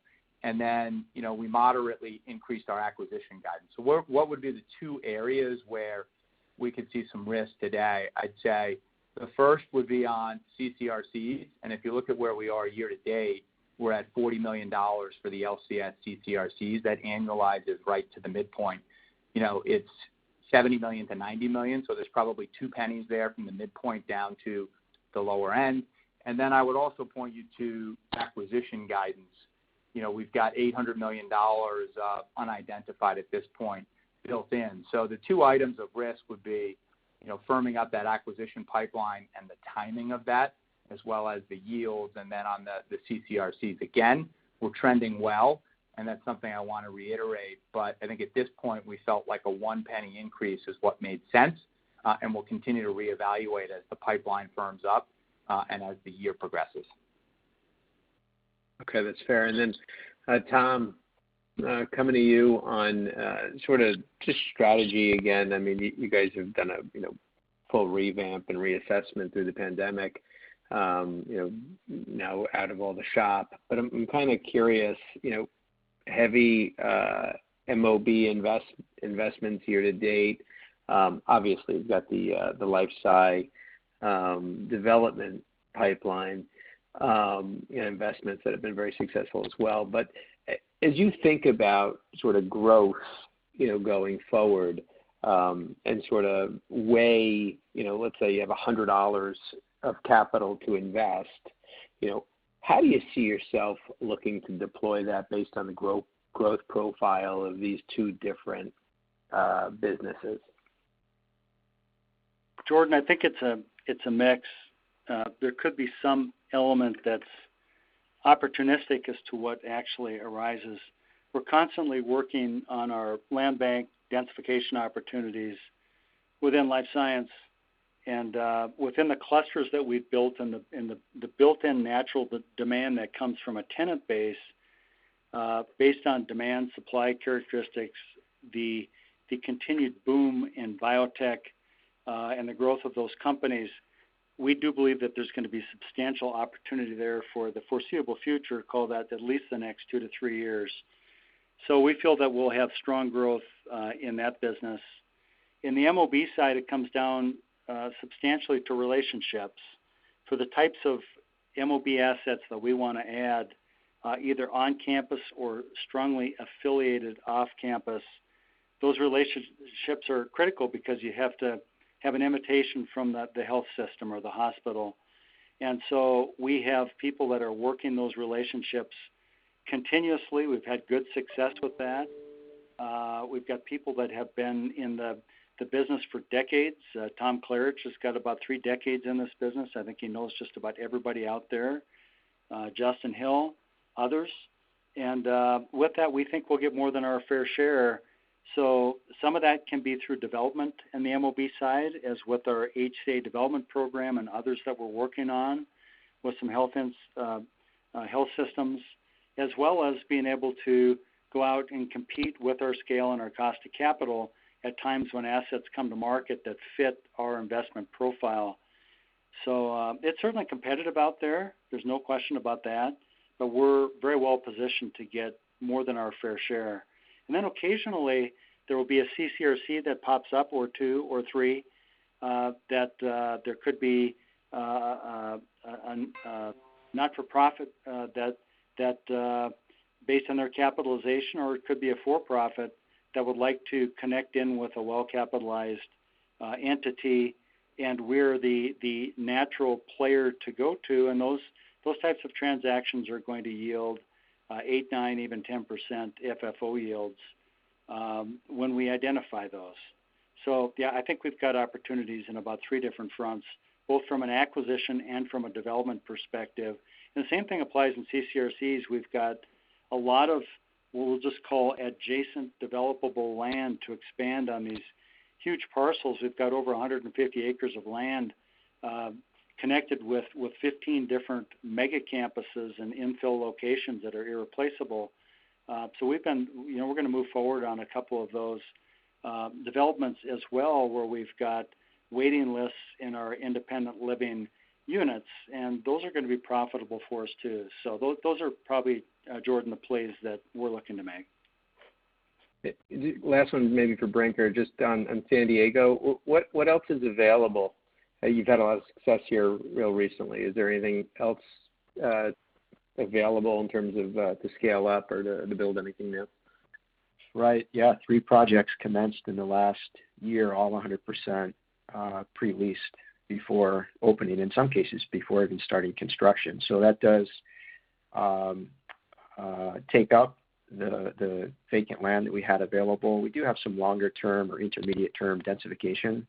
We moderately increased our acquisition guidance. What would be the two areas where we could see some risk today? I'd say the first would be on CCRCs. If you look at where we are year to date, we're at $40 million for the LCS CCRCs. That annualizes right to the midpoint. It's $70 million-$90 million, so there's probably $0.02 there from the midpoint down to the lower end. I would also point you to acquisition guidance. We've got $800 million unidentified at this point built in. The two items of risk would be firming up that acquisition pipeline and the timing of that, as well as the yields. On the CCRCs, again, we're trending well, and that's something I want to reiterate. I think at this point, we felt like a $0.01 increase is what made sense. We'll continue to reevaluate as the pipeline firms up, and as the year progresses. Okay. That's fair. Tom, coming to you on sort of just strategy again. You guys have done a full revamp and reassessment through the pandemic, now out of all the shop. I'm kind of curious, heavy MOB investments year to date. Obviously, you've got the life sci development pipeline investments that have been very successful as well. As you think about sort of going forward, and sort of weigh, let's say you have $100 of capital to invest. How do you see yourself looking to deploy that based on the growth profile of these two different businesses? Jordan, I think it's a mix. There could be some element that's opportunistic as to what actually arises. We're constantly working on our land bank densification opportunities within life science and within the clusters that we've built and the built-in natural demand that comes from a tenant base, based on demand, supply characteristics, the continued boom in biotech, and the growth of those companies. We do believe that there's going to be substantial opportunity there for the foreseeable future, call that at least the next two to three years. We feel that we'll have strong growth in that business. In the MOB side, it comes down substantially to relationships. For the types of MOB assets that we want to add, either on-campus or strongly affiliated off-campus, those relationships are critical because you have to have an invitation from the health system or the hospital. We have people that are working those relationships continuously. We've had good success with that. We've got people that have been in the business for decades. Tom Klaritch has got about three decades in this business. I think he knows just about everybody out there. Justin Hill, others. With that, we think we'll get more than our fair share. Some of that can be through development in the MOB side, as with our HCA development program and others that we're working on with some health systems, as well as being able to go out and compete with our scale and our cost of capital at times when assets come to market that fit our investment profile. It's certainly competitive out there's no question about that, but we're very well positioned to get more than our fair share. Occasionally, there will be a CCRC that pops up, or two or three, that there could be a not-for-profit that based on their capitalization, or it could be a for-profit that would like to connect in with a well-capitalized entity, and we're the natural player to go to. Those types of transactions are going to yield 8%, 9%, even 10% FFO yields when we identify those. I think we've got opportunities in about three different fronts, both from an acquisition and from a development perspective. The same thing applies in CCRCs. We've got a lot of, we'll just call adjacent developable land to expand on these huge parcels. We've got over 150 acres of land connected with 15 different mega campuses and infill locations that are irreplaceable. We're going to move forward on a couple of those developments as well, where we've got waiting lists in our independent living units, and those are going to be profitable for us, too. Those are probably, Jordan, the plays that we're looking to make. Last one maybe for Brinker, just on San Diego. What else is available? You've had a lot of success here real recently. Is there anything else available in terms of to scale up or to build anything new? Right. Yeah. Three projects commenced in the last year, all 100% pre-leased before opening, in some cases, before even starting construction. That does take up the vacant land that we had available. We do have some longer-term or intermediate-term densification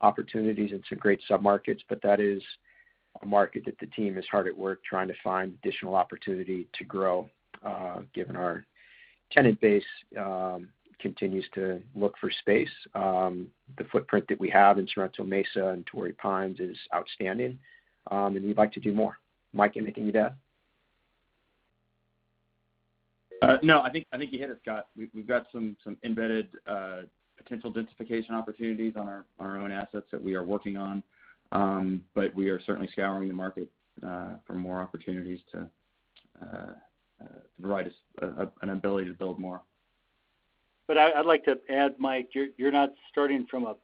opportunities in some great sub-markets, but that is a market that the team is hard at work trying to find additional opportunity to grow, given our tenant base continues to look for space. The footprint that we have in Sorrento Mesa and Torrey Pines is outstanding, and we'd like to do more. Mike, anything you'd add? No, I think you hit it, Scott. We've got some embedded potential densification opportunities on our own assets that we are working on, but we are certainly scouring the market for more opportunities to provide us an ability to build more. I'd like to add, Mike, you're not starting from a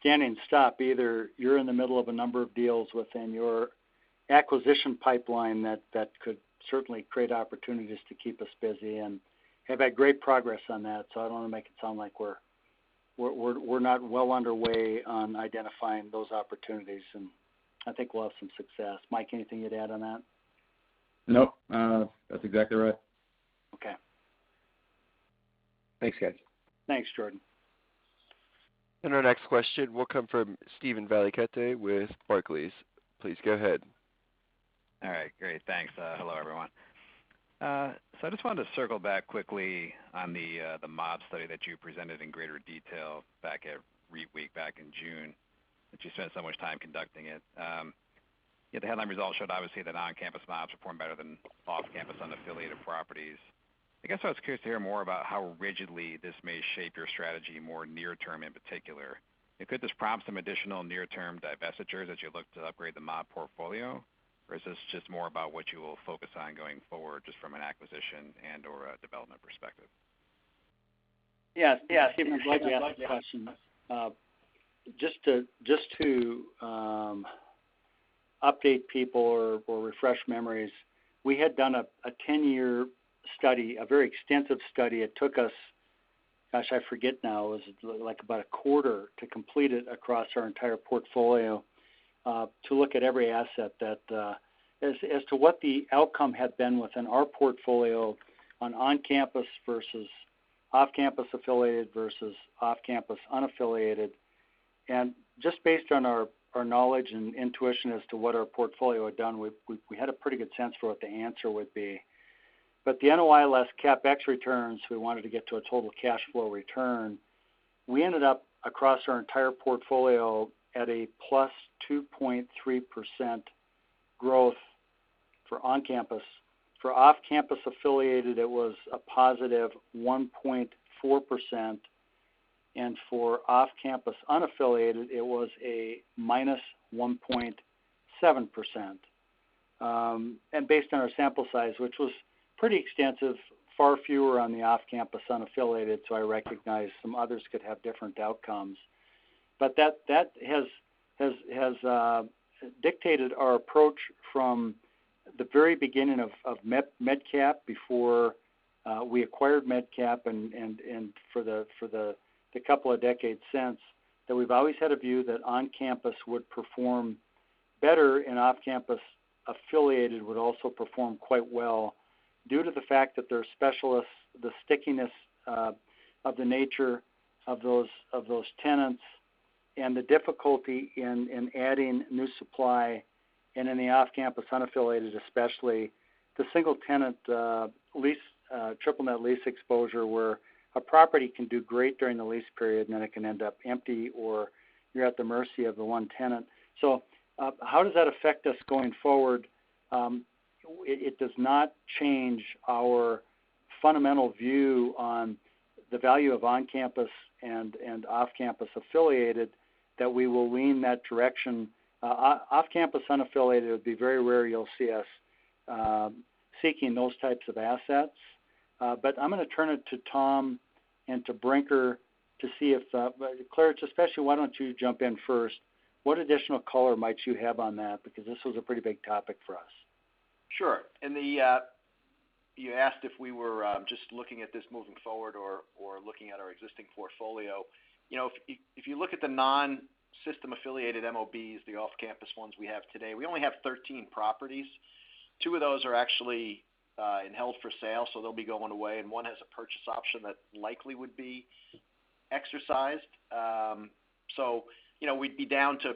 standing stop either. You're in the middle of a number of deals within your acquisition pipeline that could certainly create opportunities to keep us busy, and have had great progress on that, so I don't want to make it sound like we're not well underway on identifying those opportunities, and I think we'll have some success. Mike, anything you'd add on that? No. That's exactly right. Okay. Thanks, guys. Thanks, Jordan. Our next question will come from Steven Valiquette with Barclays. Please go ahead. All right. Great. Thanks. Hello, everyone. I just wanted to circle back quickly on the MOB study that you presented in greater detail back at REITweek back in June, that you spent so much time conducting it. The headline results showed obviously that on-campus MOBs performed better than off-campus unaffiliated properties. I guess I was curious to hear more about how rigidly this may shape your strategy more near term in particular. Could this prompt some additional near-term divestitures as you look to upgrade the MOB portfolio, or is this just more about what you will focus on going forward, just from an acquisition and/or a development perspective? Yeah. Steven, glad you asked the question. Update people or refresh memories. We had done a 10-year study, a very extensive study. It took us, gosh, I forget now, it was about a quarter to complete it across our entire portfolio, to look at every asset that as to what the outcome had been within our portfolio on on-campus versus off-campus affiliated versus off-campus unaffiliated. Just based on our knowledge and intuition as to what our portfolio had done, we had a pretty good sense for what the answer would be. The NOI less CapEx returns, we wanted to get to a total cash flow return. We ended up across our entire portfolio at a +2.3% growth for on-campus. For off-campus affiliated, it was a +1.4%, and for off-campus unaffiliated, it was a -1.7%. Based on our sample size, which was pretty extensive, far fewer on the off-campus unaffiliated, so I recognize some others could have different outcomes. That has dictated our approach from the very beginning of MedCap before we acquired MedCap and for the couple of decades since, that we've always had a view that on-campus would perform better and off-campus affiliated would also perform quite well due to the fact that they're specialists, the stickiness of the nature of those tenants, and the difficulty in adding new supply, and in the off-campus unaffiliated especially, the single-tenant triple net lease exposure where a property can do great during the lease period, and then it can end up empty, or you're at the mercy of the one tenant. How does that affect us going forward? It does not change our fundamental view on the value of on-campus and off-campus affiliated, that we will lean that direction. Off-campus unaffiliated, it would be very rare you'll see us seeking those types of assets. I'm going to turn it to Tom and to Brinker to see if Tom Klaritch, especially, why don't you jump in first. What additional color might you have on that? This was a pretty big topic for us. Sure. You asked if we were just looking at this moving forward or looking at our existing portfolio. If you look at the non-system-affiliated MOBs, the off-campus ones we have today, we only have 13 properties. Two of those are actually in held for sale, so they'll be going away, and one has a purchase option that likely would be exercised. We'd be down to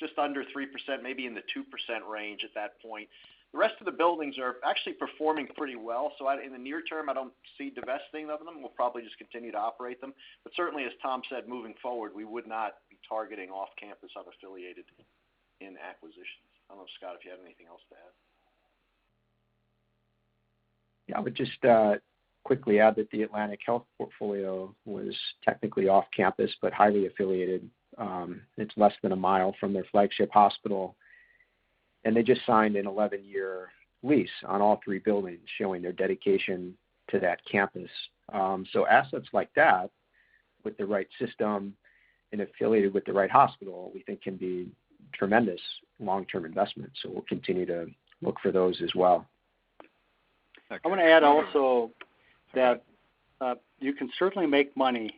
just under 3%, maybe in the 2% range at that point. The rest of the buildings are actually performing pretty well. In the near term, I don't see divesting of them. We'll probably just continue to operate them. Certainly, as Tom said, moving forward, we would not be targeting off-campus unaffiliated in acquisitions. I don't know, Scott, if you have anything else to add. Yeah. I would just quickly add that the Atlantic Health portfolio was technically off-campus, but highly affiliated. It's less than a mile from their flagship hospital, and they just signed an 11-year lease on all three buildings, showing their dedication to that campus. Assets like that with the right system and affiliated with the right hospital, we think can be tremendous long-term investments. We'll continue to look for those as well. I want to add also that you can certainly make money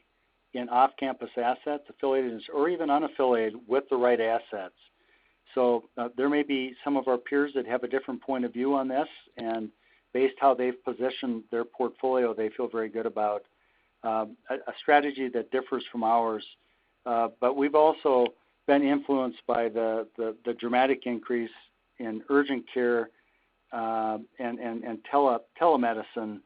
in off-campus assets, affiliated or even unaffiliated, with the right assets. There may be some of our peers that have a different point of view on this, and based how they've positioned their portfolio, they feel very good about a strategy that differs from ours. We've also been influenced by the dramatic increase in urgent care and telemedicine,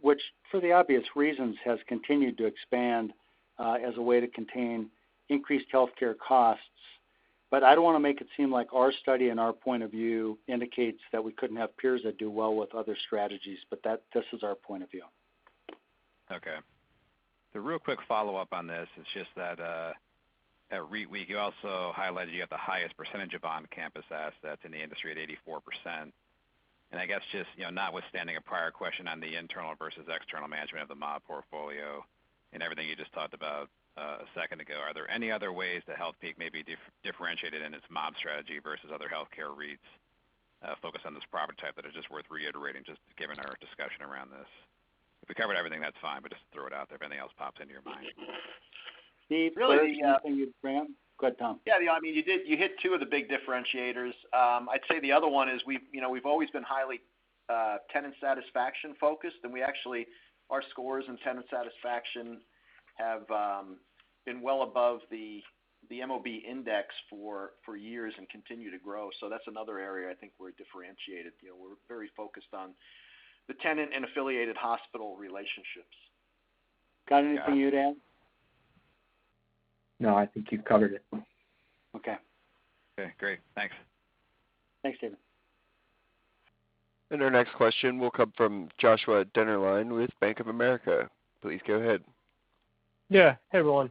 which for the obvious reasons, has continued to expand as a way to contain increased healthcare costs. I don't want to make it seem like our study and our point of view indicates that we couldn't have peers that do well with other strategies, but this is our point of view. Okay. The real quick follow-up on this is just that at REITweek, you also highlighted you have the highest percentage of on-campus assets in the industry at 84%. I guess just notwithstanding a prior question on the internal versus external management of the MOB portfolio and everything you just talked about a second ago, are there any other ways that Healthpeak may be differentiated in its MOB strategy versus other healthcare REITs focused on this property type that are just worth reiterating, just given our discussion around this? If we covered everything, that's fine, but just throw it out there if anything else pops into your mind. Really- Tom Klaritch, anything you'd add? Go ahead, Tom. You hit two of the big differentiators. I'd say the other one is we've always been highly tenant satisfaction-focused, and we actually, our scores in tenant satisfaction have been well above the MOB index for years and continue to grow. That's another area I think we're differentiated. We're very focused on the tenant and affiliated hospital relationships. Got anything you'd add? No, I think you've covered it. Okay. Okay, great. Thanks. Thanks, Steve. Our next question will come from Joshua Dennerlein with Bank of America. Please go ahead. Yeah. Hey, everyone.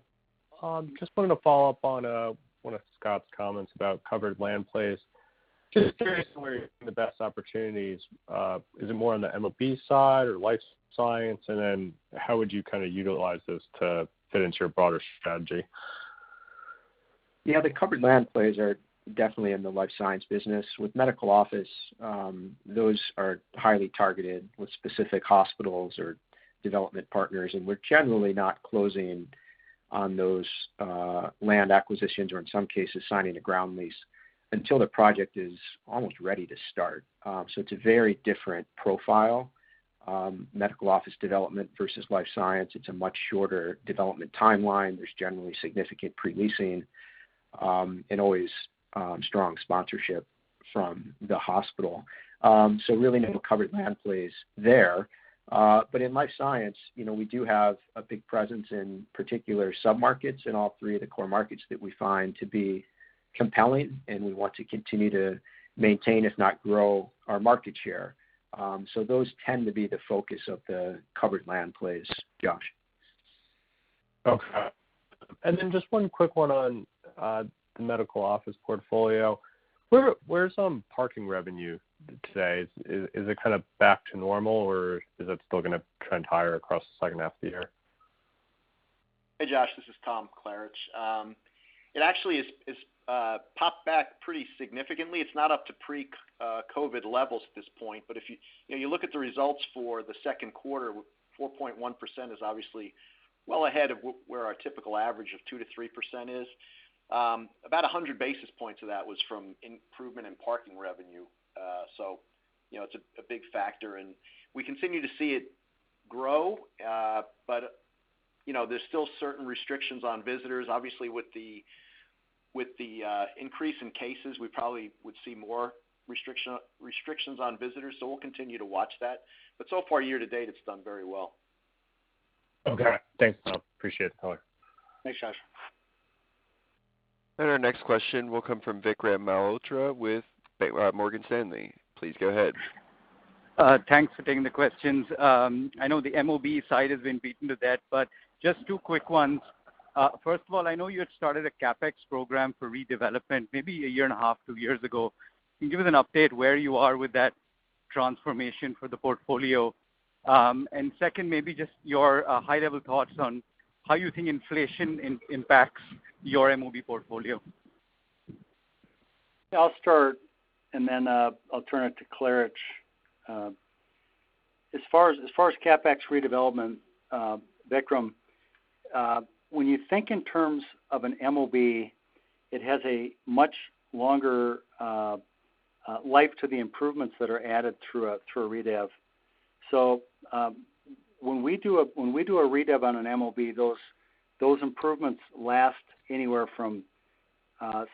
Just wanted to follow up on one of Scott's comments about covered land plays. Just curious where the best opportunities, is it more on the MOB side or life science? How would you kind of utilize those to fit into your broader strategy? Yeah. The covered land plays are definitely in the life science business. With medical office, those are highly targeted with specific hospitals or development partners, and we're generally not closing on those land acquisitions or in some cases signing a ground lease until the project is almost ready to start. It's a very different profile, medical office development versus life science. It's a much shorter development timeline. There's generally significant pre-leasing, and always strong sponsorship from the hospital. Really no covered land plays there. In life science, we do have a big presence in particular sub-markets in all three of the core markets that we find to be compelling, and we want to continue to maintain, if not grow our market share. Those tend to be the focus of the covered land plays, Josh. Okay. Just one quick one on the medical office portfolio. Where is parking revenue today? Is it kind of back to normal, or is it still going to trend higher across the second half of the year? Hey, Josh, this is Tom Klaritch. It actually has popped back pretty significantly. It's not up to pre-COVID levels at this point. If you look at the results for the second quarter, 4.1% is obviously well ahead of where our typical average of 2%-3% is. About 100 basis points of that was from improvement in parking revenue. It's a big factor, and we continue to see it grow. There's still certain restrictions on visitors. Obviously, with the increase in cases, we probably would see more restrictions on visitors. We'll continue to watch that. So far, year to date, it's done very well. Okay. Thanks, Tom. Appreciate the color. Thanks, Josh. Our next question will come from Vikram Malhotra with Morgan Stanley. Please go ahead. Thanks for taking the questions. I know the MOB side has been beaten to death, but just two quick ones. First of all, I know you had started a CapEx program for redevelopment maybe a year and a half, two years ago. Can you give us an update where you are with that transformation for the portfolio? Second, maybe just your high-level thoughts on how you think inflation impacts your MOB portfolio. I'll start, then I'll turn it to Klaritch. As far as CapEx redevelopment, Vikram, when you think in terms of an MOB, it has a much longer life to the improvements that are added through a redev. When we do a redev on an MOB, those improvements last anywhere from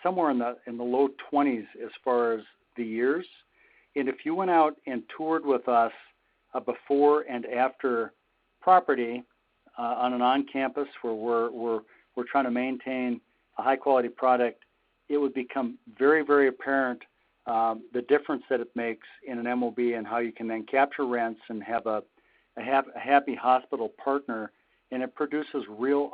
somewhere in the low 20s as far as the years. If you went out and toured with us a before and after property on an on-campus where we're trying to maintain a high-quality product, it would become very apparent the difference that it makes in an MOB and how you can then capture rents and have a happy hospital partner, and it produces real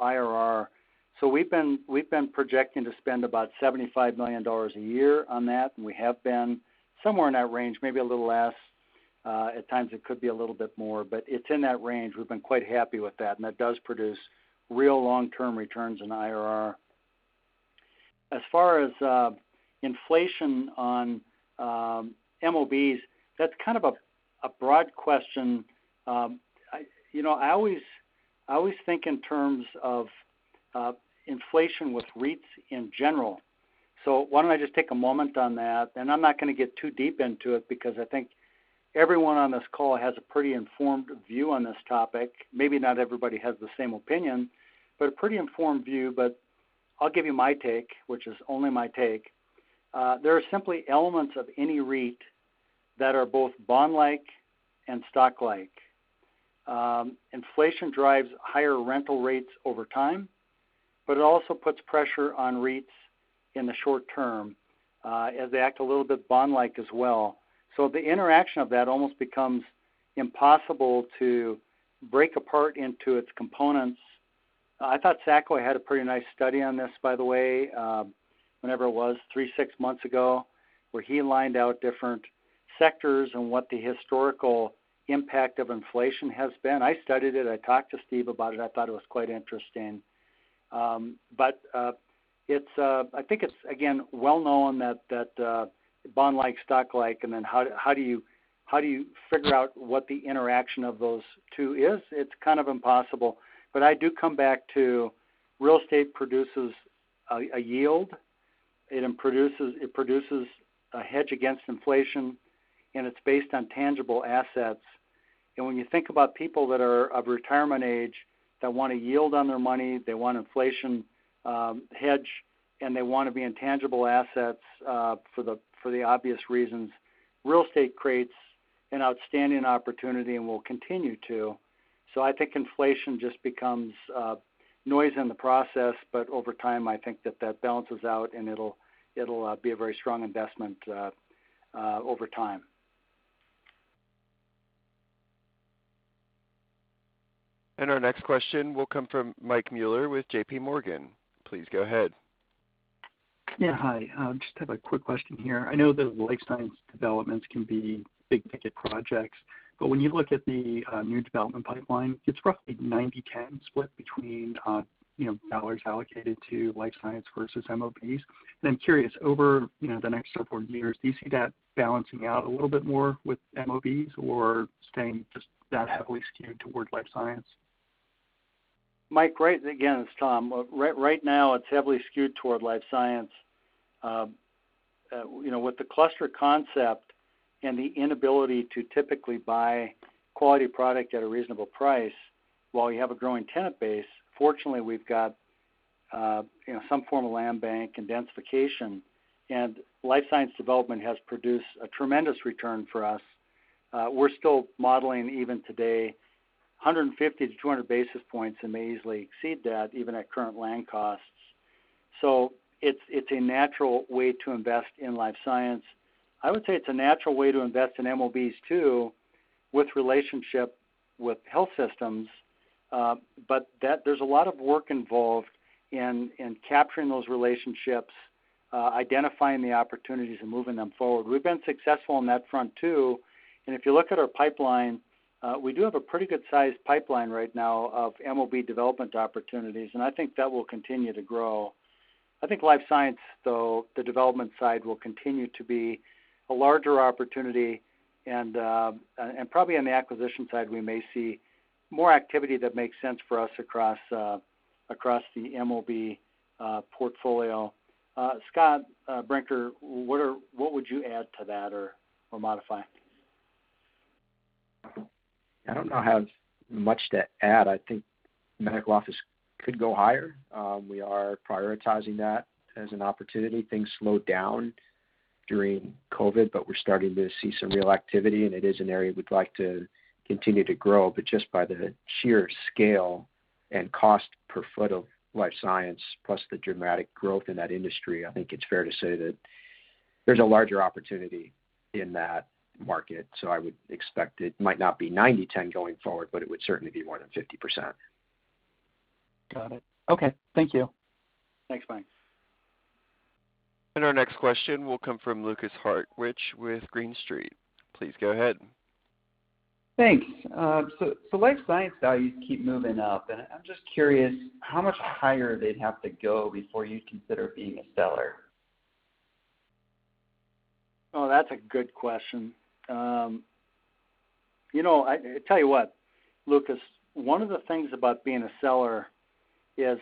IRR. We've been projecting to spend about $75 million a year on that, and we have been somewhere in that range, maybe a little less. At times it could be a little bit more, but it's in that range. We've been quite happy with that, and that does produce real long-term returns in IRR. As far as inflation on MOBs, that's kind of a broad question. I always think in terms of inflation with REITs in general. Why don't I just take a moment on that, and I'm not going to get too deep into it because I think everyone on this call has a pretty informed view on this topic. Maybe not everybody has the same opinion, but a pretty informed view. I'll give you my take, which is only my take. There are simply elements of any REIT that are both bond-like and stock-like. Inflation drives higher rental rates over time, but it also puts pressure on REITs in the short term, as they act a little bit bond-like as well. The interaction of that almost becomes impossible to break apart into its components. I thought Sakwa had a pretty nice study on this, by the way, whenever it was, three, six months ago, where he lined out different sectors and what the historical impact of inflation has been. I studied it. I talked to Steve about it. I thought it was quite interesting. I think it's, again, well known that bond-like, stock-like, and then how do you figure out what the interaction of those two is? It's kind of impossible. I do come back to real estate produces a yield. It produces a hedge against inflation, and it's based on tangible assets. When you think about people that are of retirement age that want a yield on their money, they want inflation hedge, and they want to be in tangible assets for the obvious reasons, real estate creates an outstanding opportunity and will continue to. I think inflation just becomes noise in the process. Over time, I think that that balances out, and it'll be a very strong investment over time. Our next question will come from Mike Mueller with JPMorgan. Please go ahead. Yeah. Hi. Just have a quick question here. I know that life science developments can be big-ticket projects. When you look at the new development pipeline, it's roughly 90/10 split between dollars allocated to life science versus MOBs. I'm curious, over the next several years, do you see that balancing out a little bit more with MOBs or staying just that heavily skewed towards life science? Mike, great. Again, it's Tom. Right now, it's heavily skewed toward life science. With the cluster concept and the inability to typically buy quality product at a reasonable price while you have a growing tenant base, fortunately, we've got some form of land bank and densification, and life science development has produced a tremendous return for us. We're still modeling even today 150 basis points-200 basis points and may easily exceed that even at current land costs. It's a natural way to invest in life science. I would say it's a natural way to invest in MOBs too, with relationship with health systems. But there's a lot of work involved in capturing those relationships, identifying the opportunities, and moving them forward. We've been successful on that front too. If you look at our pipeline, we do have a pretty good-sized pipeline right now of MOB development opportunities. I think that will continue to grow. I think life science, though, the development side will continue to be a larger opportunity. Probably on the acquisition side, we may see more activity that makes sense for us across the MOB portfolio. Scott Brinker, what would you add to that or modify? I don't know I have much to add. I think medical office could go higher. We are prioritizing that as an opportunity. Things slowed down during COVID, but we're starting to see some real activity, and it is an area we'd like to continue to grow. Just by the sheer scale and cost per foot of life science, plus the dramatic growth in that industry, I think it's fair to say that there's a larger opportunity in that market. I would expect it might not be 90/10 going forward, but it would certainly be more than 50%. Got it. Okay. Thank you. Thanks, Mike. Our next question will come from Lukas Hartwich with Green Street. Please go ahead. Thanks. Life science values keep moving up, and I'm just curious how much higher they'd have to go before you'd consider being a seller? Oh, that's a good question. I tell you what, Lukas, one of the things about being a seller is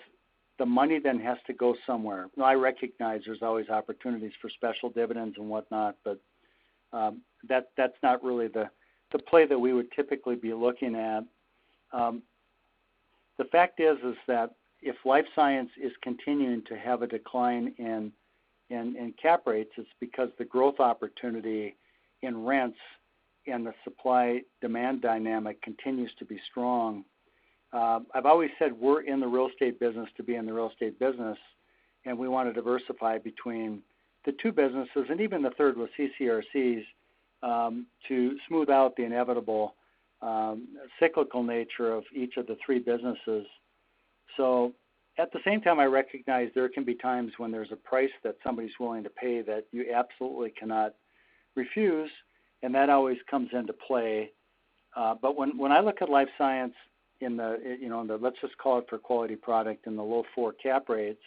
the money then has to go somewhere. I recognize there's always opportunities for special dividends and whatnot, but that's not really the play that we would typically be looking at. The fact is that if life science is continuing to have a decline in cap rates, it's because the growth opportunity in rents and the supply-demand dynamic continues to be strong. I've always said we're in the real estate business to be in the real estate business, we want to diversify between the two businesses and even the third with CCRCs, to smooth out the inevitable cyclical nature of each of the three businesses. At the same time, I recognize there can be times when there's a price that somebody's willing to pay that you absolutely cannot refuse, and that always comes into play. When I look at life science in the, let's just call it for quality product in the low four cap rates,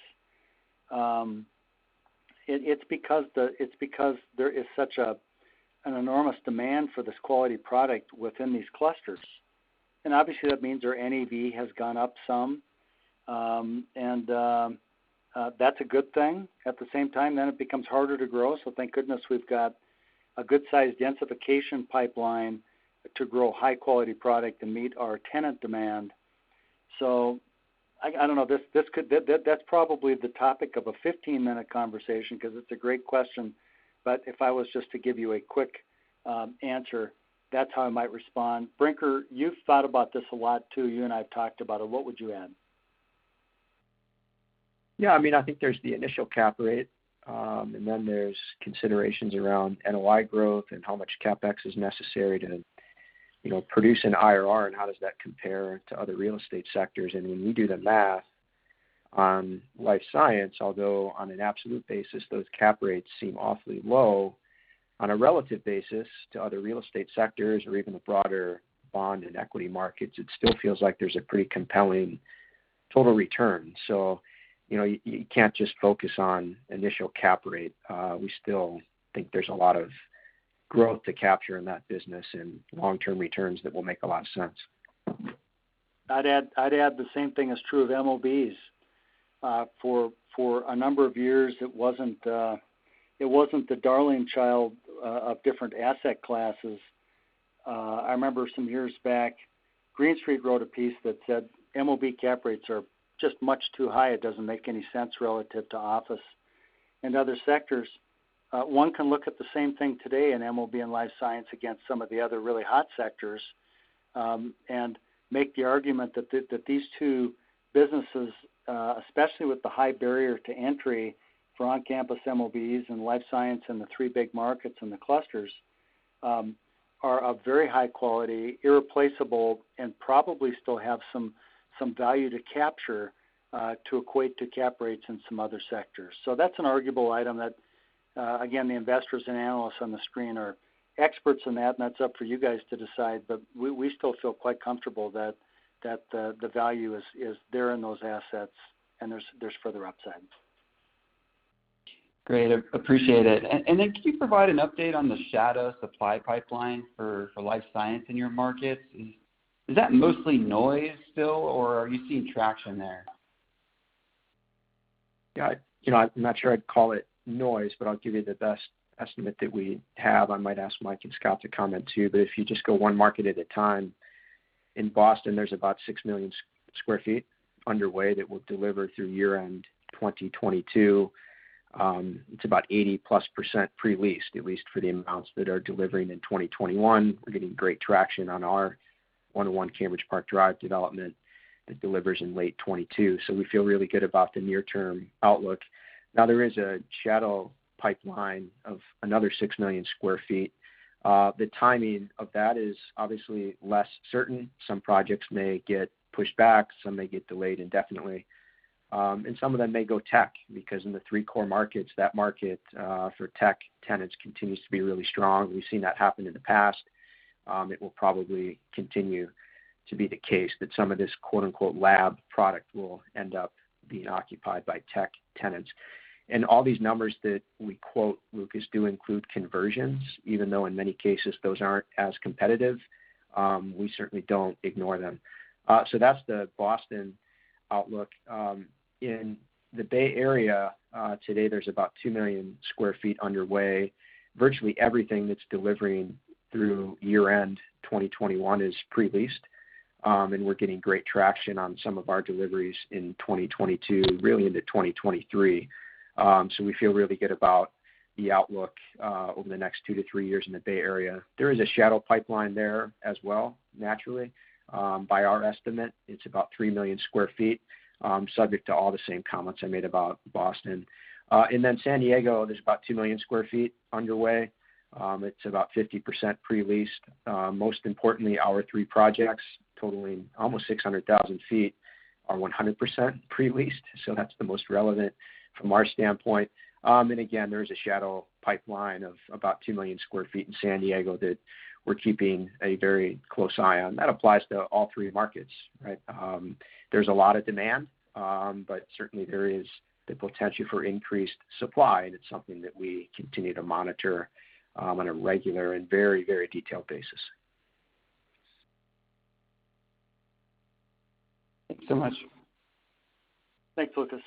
it's because there is such an enormous demand for this quality product within these clusters. Obviously, that means our NAV has gone up some. That's a good thing. At the same time, it becomes harder to grow. Thank goodness we've got a good-sized densification pipeline to grow high-quality product and meet our tenant demand. I don't know. That's probably the topic of a 15-minute conversation because it's a great question. If I was just to give you a quick answer, that's how I might respond. Brinker, you've thought about this a lot too. You and I have talked about it. What would you add? Yeah. I think there's the initial cap rate, and then there's considerations around NOI growth and how much CapEx is necessary to produce an IRR and how does that compare to other real estate sectors. When you do the math on life science, although on an absolute basis those cap rates seem awfully low, on a relative basis to other real estate sectors or even the broader bond and equity markets, it still feels like there's a pretty compelling total return. You can't just focus on initial cap rate. We still think there's a lot of growth to capture in that business and long-term returns that will make a lot of sense. I'd add the same thing is true of MOBs. For a number of years, it wasn't the darling child of different asset classes. I remember some years back, Green Street wrote a piece that said MOB cap rates are just much too high. It doesn't make any sense relative to office and other sectors. One can look at the same thing today in MOB and life science against some of the other really hot sectors, and make the argument that these two businesses, especially with the high barrier to entry for on-campus MOBs and life science in the three big markets and the clusters are of very high quality, irreplaceable, and probably still have some value to capture to equate to cap rates in some other sectors. That's an arguable item that, again, the investors and analysts on the screen are experts in that, and that's up for you guys to decide. We still feel quite comfortable that the value is there in those assets and there's further upside. Great. Appreciate it. Can you provide an update on the shadow supply pipeline for life science in your markets? Is that mostly noise still, or are you seeing traction there? Yeah. I'm not sure I'd call it noise, but I'll give you the best estimate that we have. I might ask Mike and Scott to comment, too. If you just go one market at a time, in Boston, there's about 6 million sq ft underway that will deliver through year-end 2022. It's about 80%+ pre-leased, at least for the amounts that are delivering in 2021. We're getting great traction on our 101 Cambridge Park Drive development that delivers in late 2022. We feel really good about the near-term outlook. There is a shadow pipeline of another 6 million sq ft. The timing of that is obviously less certain. Some projects may get pushed back, some may get delayed indefinitely. Some of them may go tech, because in the three core markets, that market for tech tenants continues to be really strong. We've seen that happen in the past. It will probably continue to be the case that some of this "lab product" will end up being occupied by tech tenants. All these numbers that we quote, Lukas, do include conversions, even though in many cases, those aren't as competitive. We certainly don't ignore them. That's the Boston outlook. In the Bay Area today, there's about 2 million sq ft underway. Virtually everything that's delivering through year-end 2021 is pre-leased, and we're getting great traction on some of our deliveries in 2022, really into 2023. We feel really good about the outlook over the next two to three years in the Bay Area. There is a shadow pipeline there as well, naturally. By our estimate, it's about 3 million sq ft, subject to all the same comments I made about Boston. San Diego, there's about 2 million sq ft underway. It's about 50% pre-leased. Most importantly, our three projects, totaling almost 600,000 sq ft, are 100% pre-leased. That's the most relevant from our standpoint. Again, there is a shadow pipeline of about 2 million sq ft in San Diego that we're keeping a very close eye on. That applies to all three markets, right? There's a lot of demand. Certainly there is the potential for increased supply. It's something that we continue to monitor on a regular and very detailed basis. Thanks so much. Thanks, Lukas.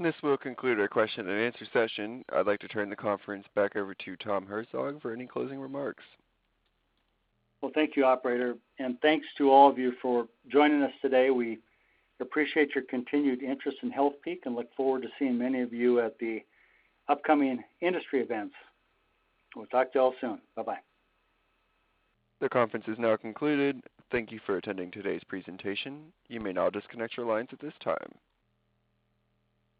This will conclude our question and answer session. I'd like to turn the conference back over to Tom Herzog for any closing remarks. Thank you, operator, and thanks to all of you for joining us today. We appreciate your continued interest in Healthpeak and look forward to seeing many of you at the upcoming industry events. We'll talk to you all soon. Bye-bye. The conference is now concluded. Thank you for attending today's presentation. You may now disconnect your lines at this time.